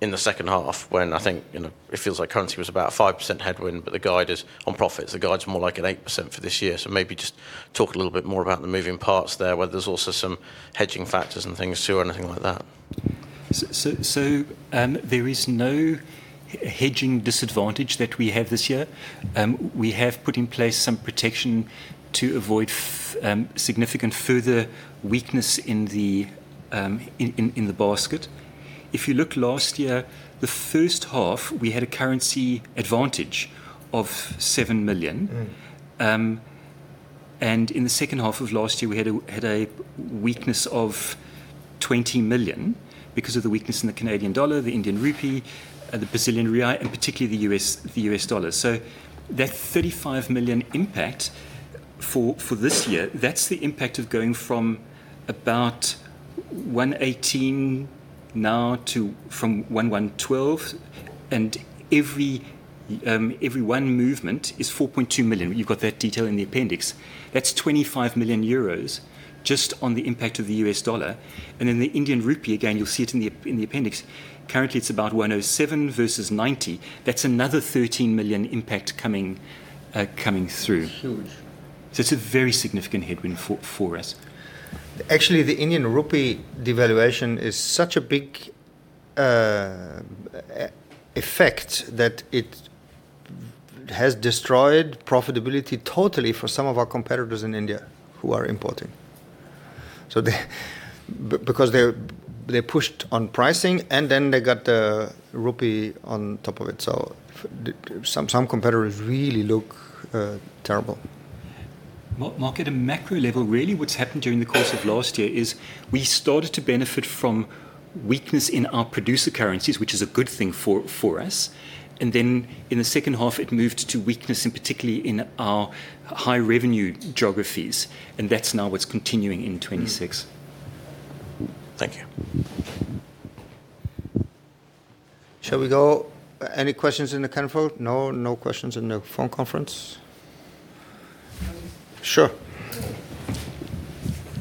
in the second half when I think, you know, it feels like currency was about a 5% headwind, but the guide is on profits. The guide's more like an 8% for this year. Maybe just talk a little bit more about the moving parts there, whether there's also some hedging factors and things too or anything like that.
There is no hedging disadvantage that we have this year. We have put in place some protection to avoid significant further weakness in the basket. If you look last year, the first half, we had a currency advantage of 7 million.
Mm-hmm.
In the second half of last year, we had a weakness of 20 million because of the weakness in the Canadian dollar, the Indian rupee, the Brazilian real, and particularly the U.S. dollar. That 35 million impact for this year, that's the impact of going from about 1.18 now to 1.12, and every one movement is 4.2 million. You've got that detail in the appendix. That's 25 million euros just on the impact of the US dollar. The Indian rupee, again, you'll see it in the appendix. Currently it's about 107 versus 90. That's another 13 million impact coming through.
Huge.
It's a very significant headwind for us.
Actually, the Indian rupee devaluation is such a big effect that it has destroyed profitability totally for some of our competitors in India who are importing. Because they pushed on pricing, and then they got the rupee on top of it. Some competitors really look terrible.
Mark, at a macro level, really what's happened during the course of last year is we started to benefit from weakness in our producer currencies, which is a good thing for us. Then in the second half it moved to weakness and particularly in our high revenue geographies, That's now what's continuing in 2026.
Mm-hmm.
Thank you.
Shall we go? Any questions in the conf call? No. No questions in the phone conference. Sure.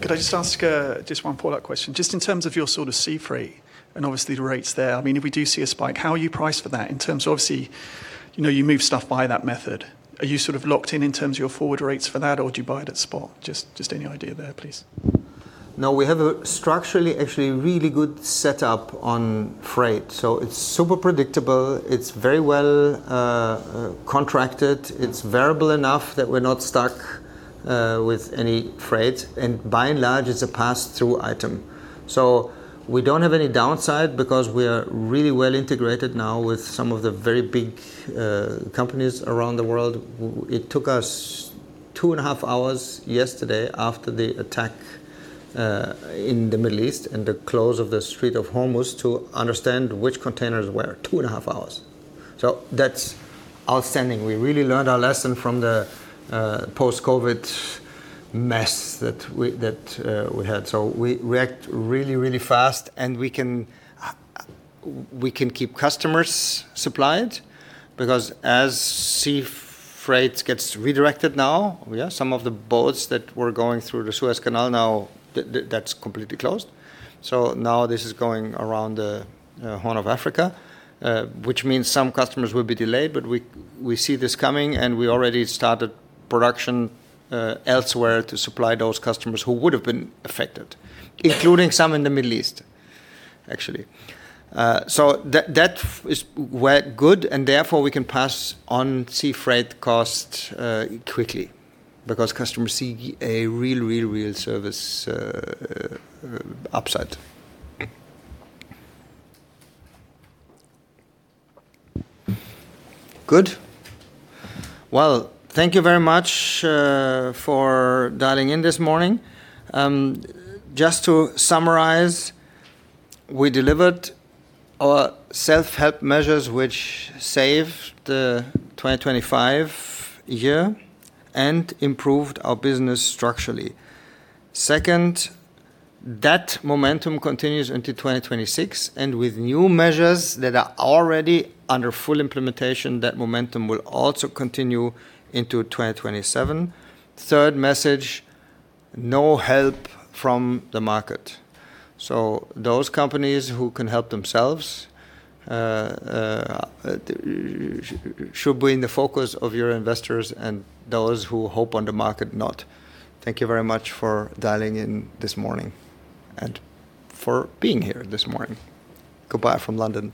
Could I just ask one follow-up question? Just in terms of your sort of sea freight and obviously the rates there, I mean, if we do see a spike, how are you priced for that? Obviously, you know, you move stuff by that method. Are you sort of locked in in terms of your forward rates for that, or do you buy it at spot? Just any idea there, please.
We have a structurally actually really good setup on freight. It's super predictable. It's very well contracted. It's variable enough that we're not stuck with any freight. By and large, it's a pass-through item. We don't have any downside because we are really well integrated now with some of the very big companies around the world. It took us two and a half hours yesterday after the attack in the Middle East and the close of the Strait of Hormuz to understand which containers where. Two and a half hours. That's outstanding. We really learned our lesson from the post-COVID mess that we had. We react really, really fast, and we can keep customers supplied because as sea freight gets redirected now, yeah, some of the boats that were going through the Suez Canal now, that's completely closed. This is going around the Horn of Africa, which means some customers will be delayed. We see this coming, and we already started production elsewhere to supply those customers who would have been affected, including some in the Middle East, actually. That is work good, and therefore we can pass on sea freight costs quickly because customers see a real, real service upside. Good. Well, thank you very much for dialing in this morning. Just to summarize, we delivered our self-help measures which saved the 2025 year and improved our business structurally. Second, that momentum continues into 2026, and with new measures that are already under full implementation, that momentum will also continue into 2027. Third message, no help from the market. Those companies who can help themselves, should be in the focus of your investors and those who hope on the market, not. Thank you very much for dialing in this morning and for being here this morning. Goodbye from London.